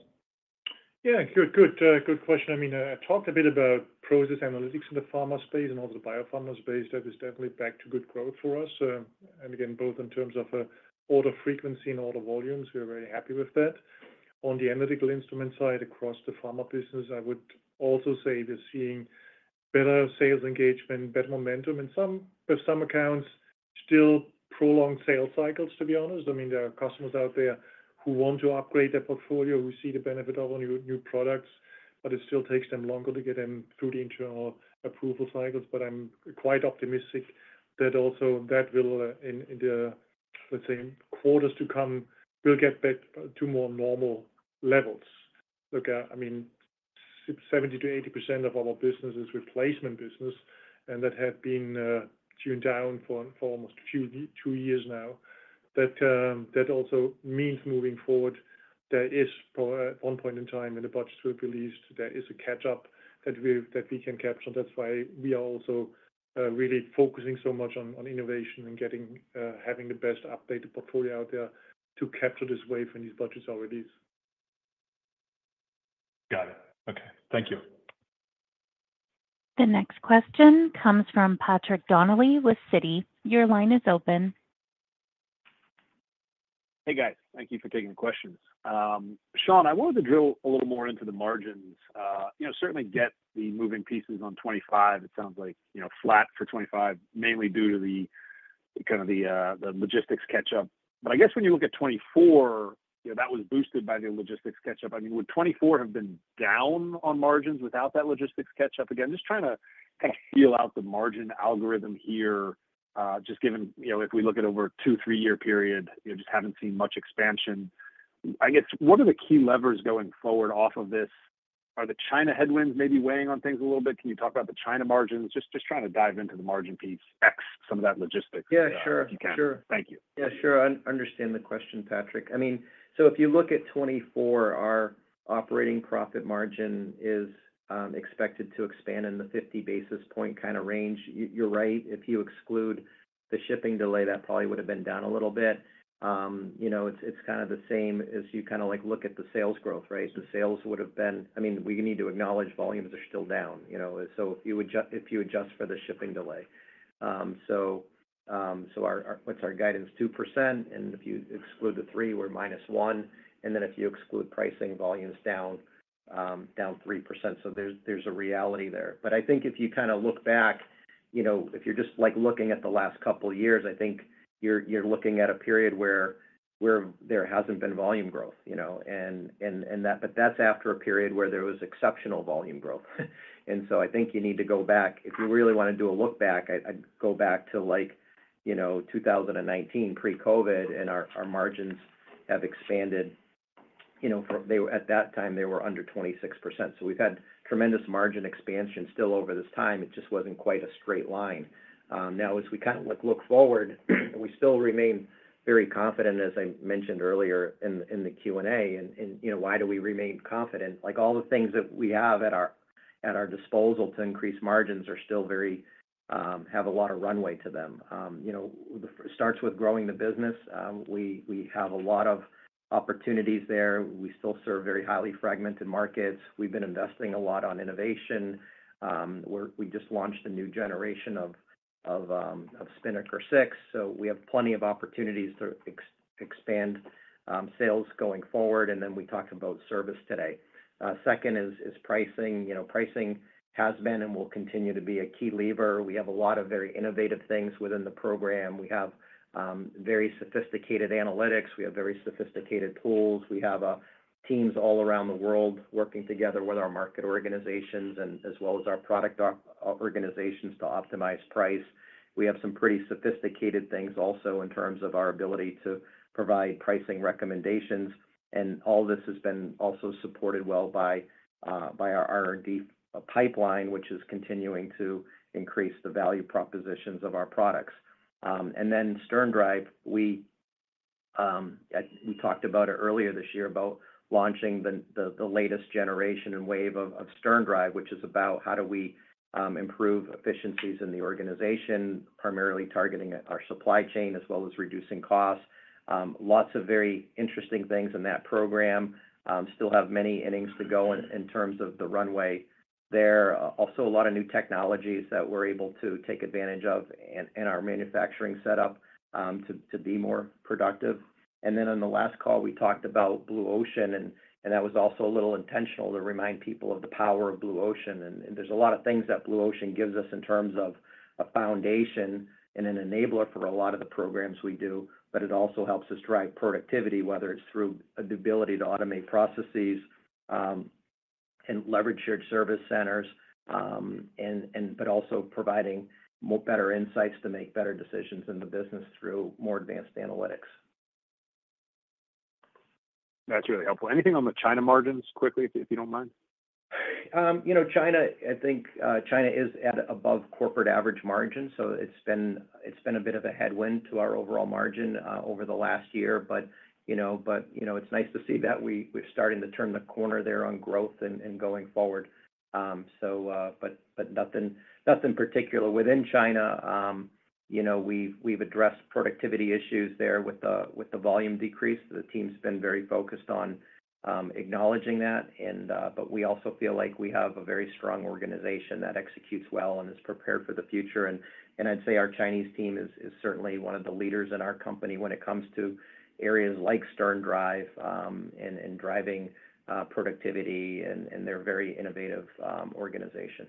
Yeah. Good question. I mean, I talked a bit about Process Analytics in the pharma space and also the biopharma space. That is definitely back to good growth for us. And again, both in terms of order frequency and order volumes, we're very happy with that. On the analytical instrument side across the pharma business, I would also say we're seeing better sales engagement, better momentum, and for some accounts, still prolonged sales cycles, to be honest. I mean, there are customers out there who want to upgrade their portfolio, who see the benefit of new products, but it still takes them longer to get them through the internal approval cycles. But I'm quite optimistic that also that will, in the, let's say, quarters to come, we'll get back to more normal levels. Look, I mean, 70%-80% of our business is replacement business, and that had been tuned down for almost two years now. That also means moving forward, there is, at one point in time, when the budget will be released, there is a catch-up that we can capture, and that's why we are also really focusing so much on innovation and having the best updated portfolio out there to capture this wave when these budgets are released. Got it. Okay. Thank you. The next question comes from Patrick Donnelly with Citi. Your line is open. Hey, guys. Thank you for taking the questions. Shawn, I wanted to drill a little more into the margins. Certainly, get the moving pieces on 2025. It sounds like flat for 2025, mainly due to kind of the logistics catch-up. But I guess when you look at 2024, that was boosted by the logistics catch-up. I mean, would 2024 have been down on margins without that logistics catch-up? Again, just trying to kind of feel out the margin algorithm here, just given if we look at over a two, three-year period, just haven't seen much expansion. I guess one of the key levers going forward off of this are the China headwinds maybe weighing on things a little bit? Can you talk about the China margins? Just trying to dive into the margin piece, excluding some of that logistics if you can. Thank you. Yeah. Sure. I understand the question, Patrick. I mean, so if you look at 2024, our operating profit margin is expected to expand in the 50 basis points kind of range. You're right. If you exclude the shipping delay, that probably would have been down a little bit. It's kind of the same as you kind of look at the sales growth, right? The sales would have been I mean, we need to acknowledge volumes are still down. So if you adjust for the shipping delay. So what's our guidance? 2%. And if you exclude the 3%, we're -1%. And then if you exclude pricing, volume's down 3%. So there's a reality there. But I think if you kind of look back, if you're just looking at the last couple of years, I think you're looking at a period where there hasn't been volume growth. But that's after a period where there was exceptional volume growth. And so I think you need to go back. If you really want to do a look back, I'd go back to 2019, pre-COVID, and our margins have expanded. At that time, they were under 26%. So we've had tremendous margin expansion still over this time. It just wasn't quite a straight line. Now, as we kind of look forward, we still remain very confident, as I mentioned earlier in the Q&A, in why do we remain confident? All the things that we have at our disposal to increase margins are still have a lot of runway to them. It starts with growing the business. We have a lot of opportunities there. We still serve very highly fragmented markets. We've been investing a lot on innovation. We just launched a new generation of Spinnaker 6. So we have plenty of opportunities to expand sales going forward. And then we talked about service today. Second is pricing. Pricing has been and will continue to be a key lever. We have a lot of very innovative things within the program. We have very sophisticated analytics. We have very sophisticated tools. We have teams all around the world working together with our market organizations and as well as our product organizations to optimize price. We have some pretty sophisticated things also in terms of our ability to provide pricing recommendations. And all this has been also supported well by our R&D pipeline, which is continuing to increase the value propositions of our products. And then SternDrive, we talked about it earlier this year about launching the latest generation and wave of SternDrive, which is about how do we improve efficiencies in the organization, primarily targeting our supply chain as well as reducing costs. Lots of very interesting things in that program. Still have many innings to go in terms of the runway there. Also, a lot of new technologies that we're able to take advantage of in our manufacturing setup to be more productive. And then on the last call, we talked about Blue Ocean. And that was also a little intentional to remind people of the power of Blue Ocean. And there's a lot of things that Blue Ocean gives us in terms of a foundation and an enabler for a lot of the programs we do, but it also helps us drive productivity, whether it's through the ability to automate processes and leverage shared service centers, but also providing better insights to make better decisions in the business through more advanced analytics. That's really helpful. Anything on the China margins quickly, if you don't mind? I think China is above corporate average margins, so it's been a bit of a headwind to our overall margin over the last year. But it's nice to see that we're starting to turn the corner there on growth and going forward, but nothing particular. Within China, we've addressed productivity issues there with the volume decrease. The team's been very focused on acknowledging that, but we also feel like we have a very strong organization that executes well and is prepared for the future, and I'd say our Chinese team is certainly one of the leaders in our company when it comes to areas like SternDrive and driving productivity. And they're a very innovative organization.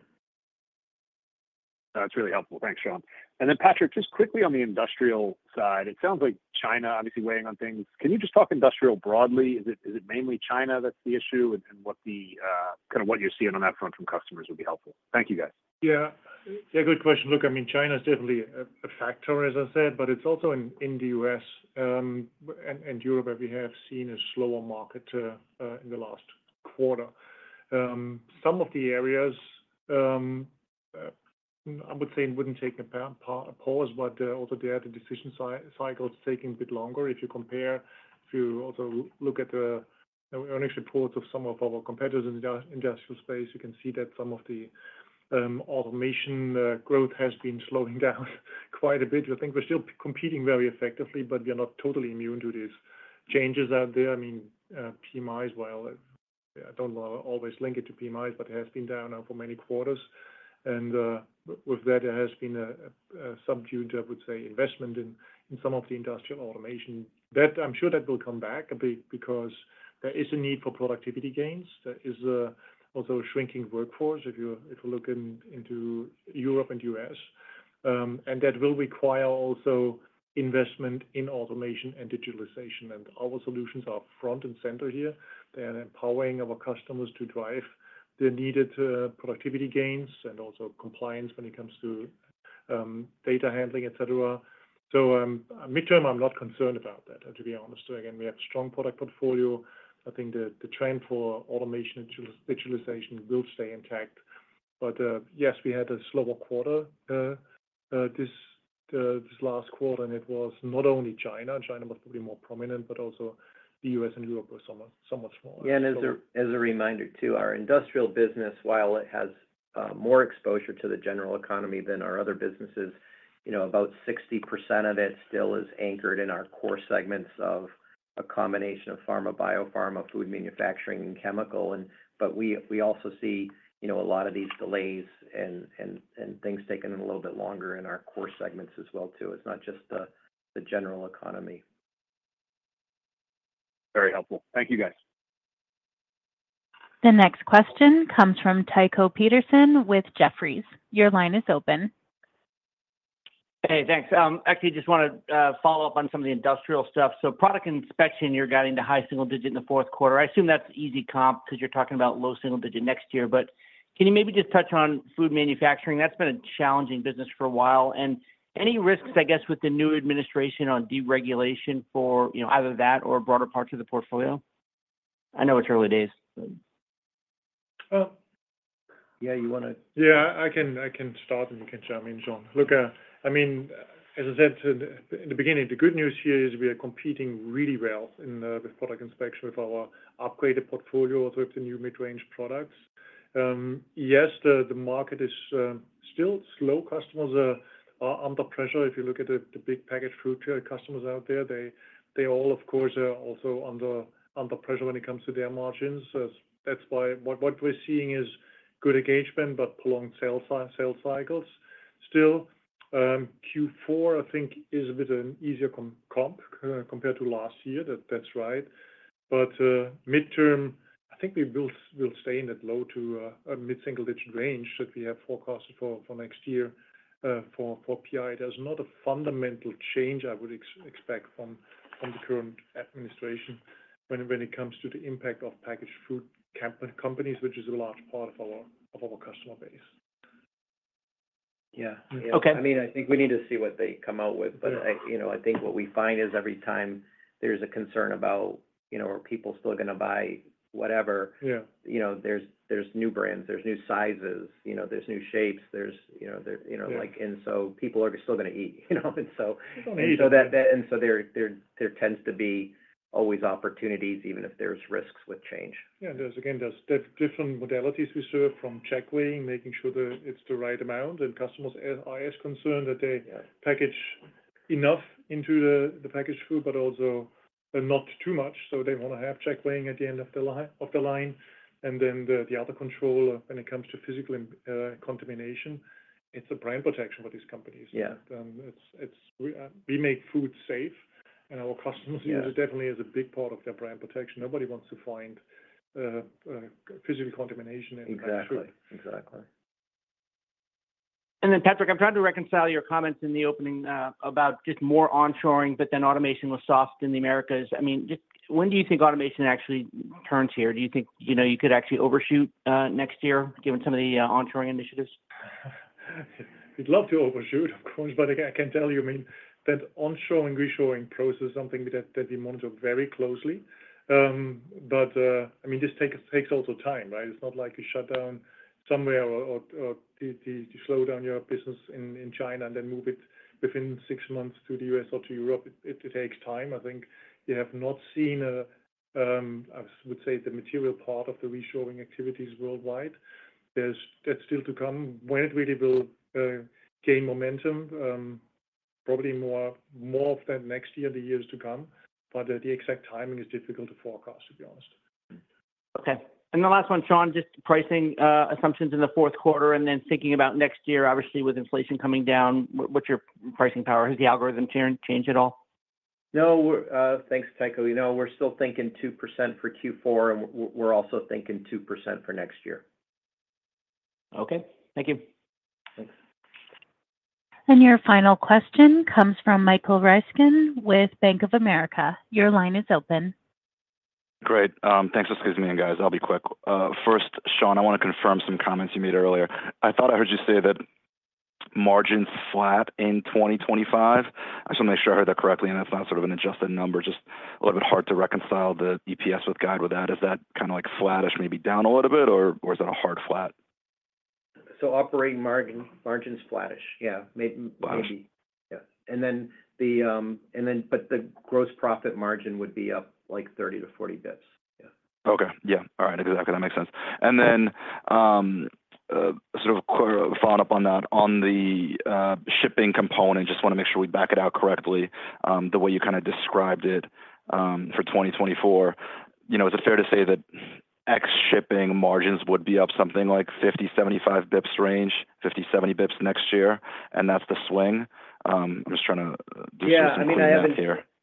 That's really helpful. Thanks, Shawn. And then, Patrick, just quickly on the industrial side, it sounds like China obviously weighing on things. Can you just talk industrial broadly? Is it mainly China that's the issue? And kind of what you're seeing on that front from customers would be helpful. Thank you, guys. Yeah. Yeah. Good question. Look, I mean, China is definitely a factor, as I said, but it's also in the U.S. and Europe that we have seen a slower market in the last quarter. Some of the areas, I would say it wouldn't take a pause, but also their decision cycle is taking a bit longer. If you compare, if you also look at the earnings reports of some of our competitors in the industrial space, you can see that some of the automation growth has been slowing down quite a bit. I think we're still competing very effectively, but we are not totally immune to these changes out there. I mean, PMI is, well, I don't want to always link it to PMIs, but it has been down for many quarters, and with that, there has been a subdued, I would say, investment in some of the industrial automation. I'm sure that will come back a bit because there is a need for productivity gains. There is also a shrinking workforce, if you look into Europe and the U.S., and that will require also investment in automation and digitalization, and our solutions are front and center here. They are empowering our customers to drive the needed productivity gains and also compliance when it comes to data handling, etc., so midterm, I'm not concerned about that, to be honest, again, we have a strong product portfolio. I think the trend for automation and digitalization will stay intact, but yes, we had a slower quarter this last quarter, and it was not only China. China was probably more prominent, but also the U.S. and Europe were somewhat smaller. Yeah. And as a reminder too, our industrial business, while it has more exposure to the general economy than our other businesses, about 60% of it still is anchored in our core segments of a combination of pharma, biopharma, food manufacturing, and chemical. But we also see a lot of these delays and things taking a little bit longer in our core segments as well too. It's not just the general economy. Very helpful. Thank you, guys. The next question comes from Tycho Peterson with Jefferies. Your line is open. Hey, thanks. Actually, just want to follow up on some of the industrial stuff. So Product Inspection, you're guiding to high single digit in the fourth quarter. I assume that's easy comp because you're talking about low single digit next year. But can you maybe just touch on food manufacturing? That's been a challenging business for a while. And any risks, I guess, with the new administration on deregulation for either that or broader parts of the portfolio? I know it's early days. Yeah. You want to? Yeah. I can start, and you can chime in, Shawn. Look, I mean, as I said in the beginning, the good news here is we are competing really well with Product Inspection with our upgraded portfolio with the new mid-range products. Yes, the market is still slow. Customers are under pressure. If you look at the big packaged food customers out there, they all, of course, are also under pressure when it comes to their margins. That's why what we're seeing is good engagement, but prolonged sales cycles. Still, Q4, I think, is a bit of an easier comp compared to last year. That's right. But midterm, I think we will stay in that low to mid-single digit range that we have forecasted for next year for PI. There's not a fundamental change I would expect from the current administration when it comes to the impact of packaged food companies, which is a large part of our customer base. Yeah. I mean, I think we need to see what they come out with. But I think what we find is every time there's a concern about, "Are people still going to buy whatever?" There's new brands. There's new sizes. There's new shapes. And so people are still going to eat. And so there tends to be always opportunities, even if there's risks with change. Yeah. There's, again, there's different modalities we serve from checkweighing, making sure that it's the right amount. And customers are as concerned that they package enough into the packaged food, but also not too much. So they want to have checkweighing at the end of the line. And then the other control when it comes to physical contamination, it's a brand protection for these companies. We make food safe, and our customers use it definitely as a big part of their brand protection. Nobody wants to find physical contamination in packaged food. Exactly. And then, Patrick, I'm trying to reconcile your comments in the opening about just more onshoring, but then automation was soft in the Americas. I mean, when do you think automation actually turns here? Do you think you could actually overshoot next year, given some of the onshoring initiatives? We'd love to overshoot, of course, but I can tell you, I mean, that onshoring and reshoring process is something that we monitor very closely, but I mean, this takes also time, right? It's not like you shut down somewhere or you slow down your business in China and then move it within six months to the U.S. or to Europe. It takes time. I think you have not seen, I would say, the material part of the reshoring activities worldwide. That's still to come. When it really will gain momentum, probably more of that next year and the years to come, but the exact timing is difficult to forecast, to be honest. Okay. And the last one, Shawn, just pricing assumptions in the fourth quarter and then thinking about next year, obviously, with inflation coming down, what's your pricing power? Has the algorithm changed at all? No. Thanks, Tycho. We're still thinking 2% for Q4, and we're also thinking 2% for next year. Okay. Thank you. Thanks. And your final question comes from Michael Ryskin with Bank of America. Your line is open. Great. Thanks for sticking with me, guys. I'll be quick. First, Shawn, I want to confirm some comments you made earlier. I thought I heard you say that margins flat in 2025. I just want to make sure I heard that correctly. And it's not sort of an adjusted number, just a little bit hard to reconcile the EPS with guide with that. Is that kind of like flattish, maybe down a little bit, or is that a hard flat? So operating margins flattish. Yeah. Maybe. Yeah. And then the gross profit margin would be up like 30-40 basis points. Yeah. Okay. Yeah. All right. Exactly. That makes sense. And then sort of following up on that, on the shipping component, just want to make sure we back it out correctly, the way you kind of described it for 2024. Is it fair to say that ex-shipping margins would be up something like 50-75 basis points range, 50-70 basis points next year, and that's the swing? I'm just trying to do some math here. Yeah. I mean, I haven't,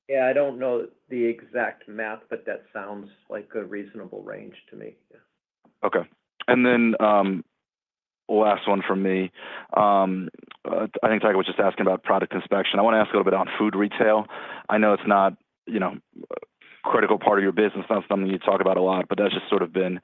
yeah, I don't know the exact math, but that sounds like a reasonable range to me. Okay. And then last one for me. I think Tycho was just asking about Product Inspection. I want to ask a little bit on Food Retail. I know it's not a critical part of your business. It's not something you talk about a lot, but that's just sort of been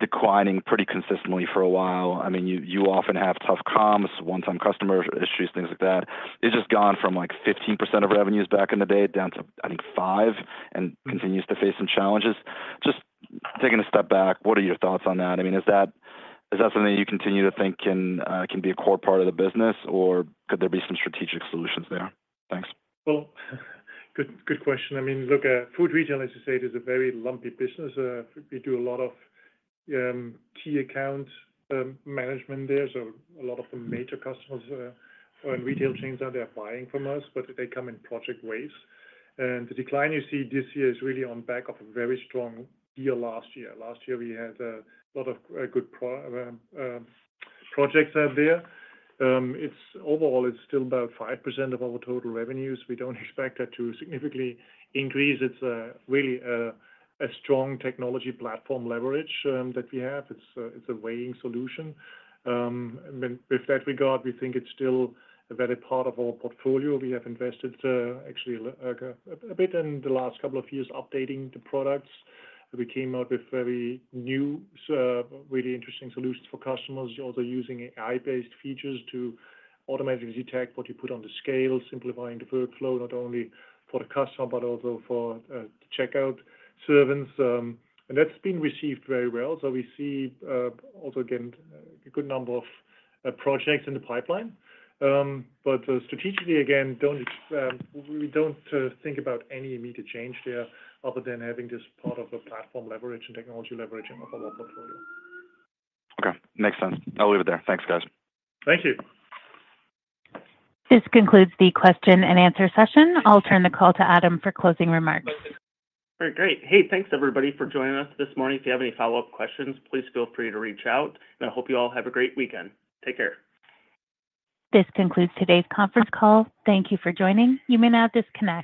declining pretty consistently for a while. I mean, you often have tough comps, one-time customer issues, things like that. It's just gone from like 15% of revenues back in the day down to, I think, 5% and continues to face some challenges. Just taking a step back, what are your thoughts on that? I mean, is that something you continue to think can be a core part of the business, or could there be some strategic solutions there? Thanks. Good question. I mean, look, Food Retail, as you said, is a very lumpy business. We do a lot of key account management there. So a lot of the major customers and retail chains out there are buying from us, but they come in project waves. The decline you see this year is really on the back of a very strong year last year. Last year, we had a lot of good projects out there. Overall, it's still about 5% of our total revenues. We don't expect that to significantly increase. It's really a strong technology platform leverage that we have. It's a weighing solution. In that regard, we think it's still a valid part of our portfolio. We have invested actually a bit in the last couple of years updating the products. We came out with very new, really interesting solutions for customers, also using AI-based features to automatically detect what you put on the scale, simplifying the workflow not only for the customer, but also for the checkout service, and that's been received very well, so we see also, again, a good number of projects in the pipeline, but strategically, again, we don't think about any immediate change there other than having this part of a platform leverage and technology leverage of our portfolio. Okay. Makes sense. I'll leave it there. Thanks, guys. Thank you. This concludes the question and answer session. I'll turn the call to Adam for closing remarks. All right. Great. Hey, thanks, everybody, for joining us this morning. If you have any follow-up questions, please feel free to reach out. And I hope you all have a great weekend. Take care. This concludes today's conference call. Thank you for joining. You may now disconnect.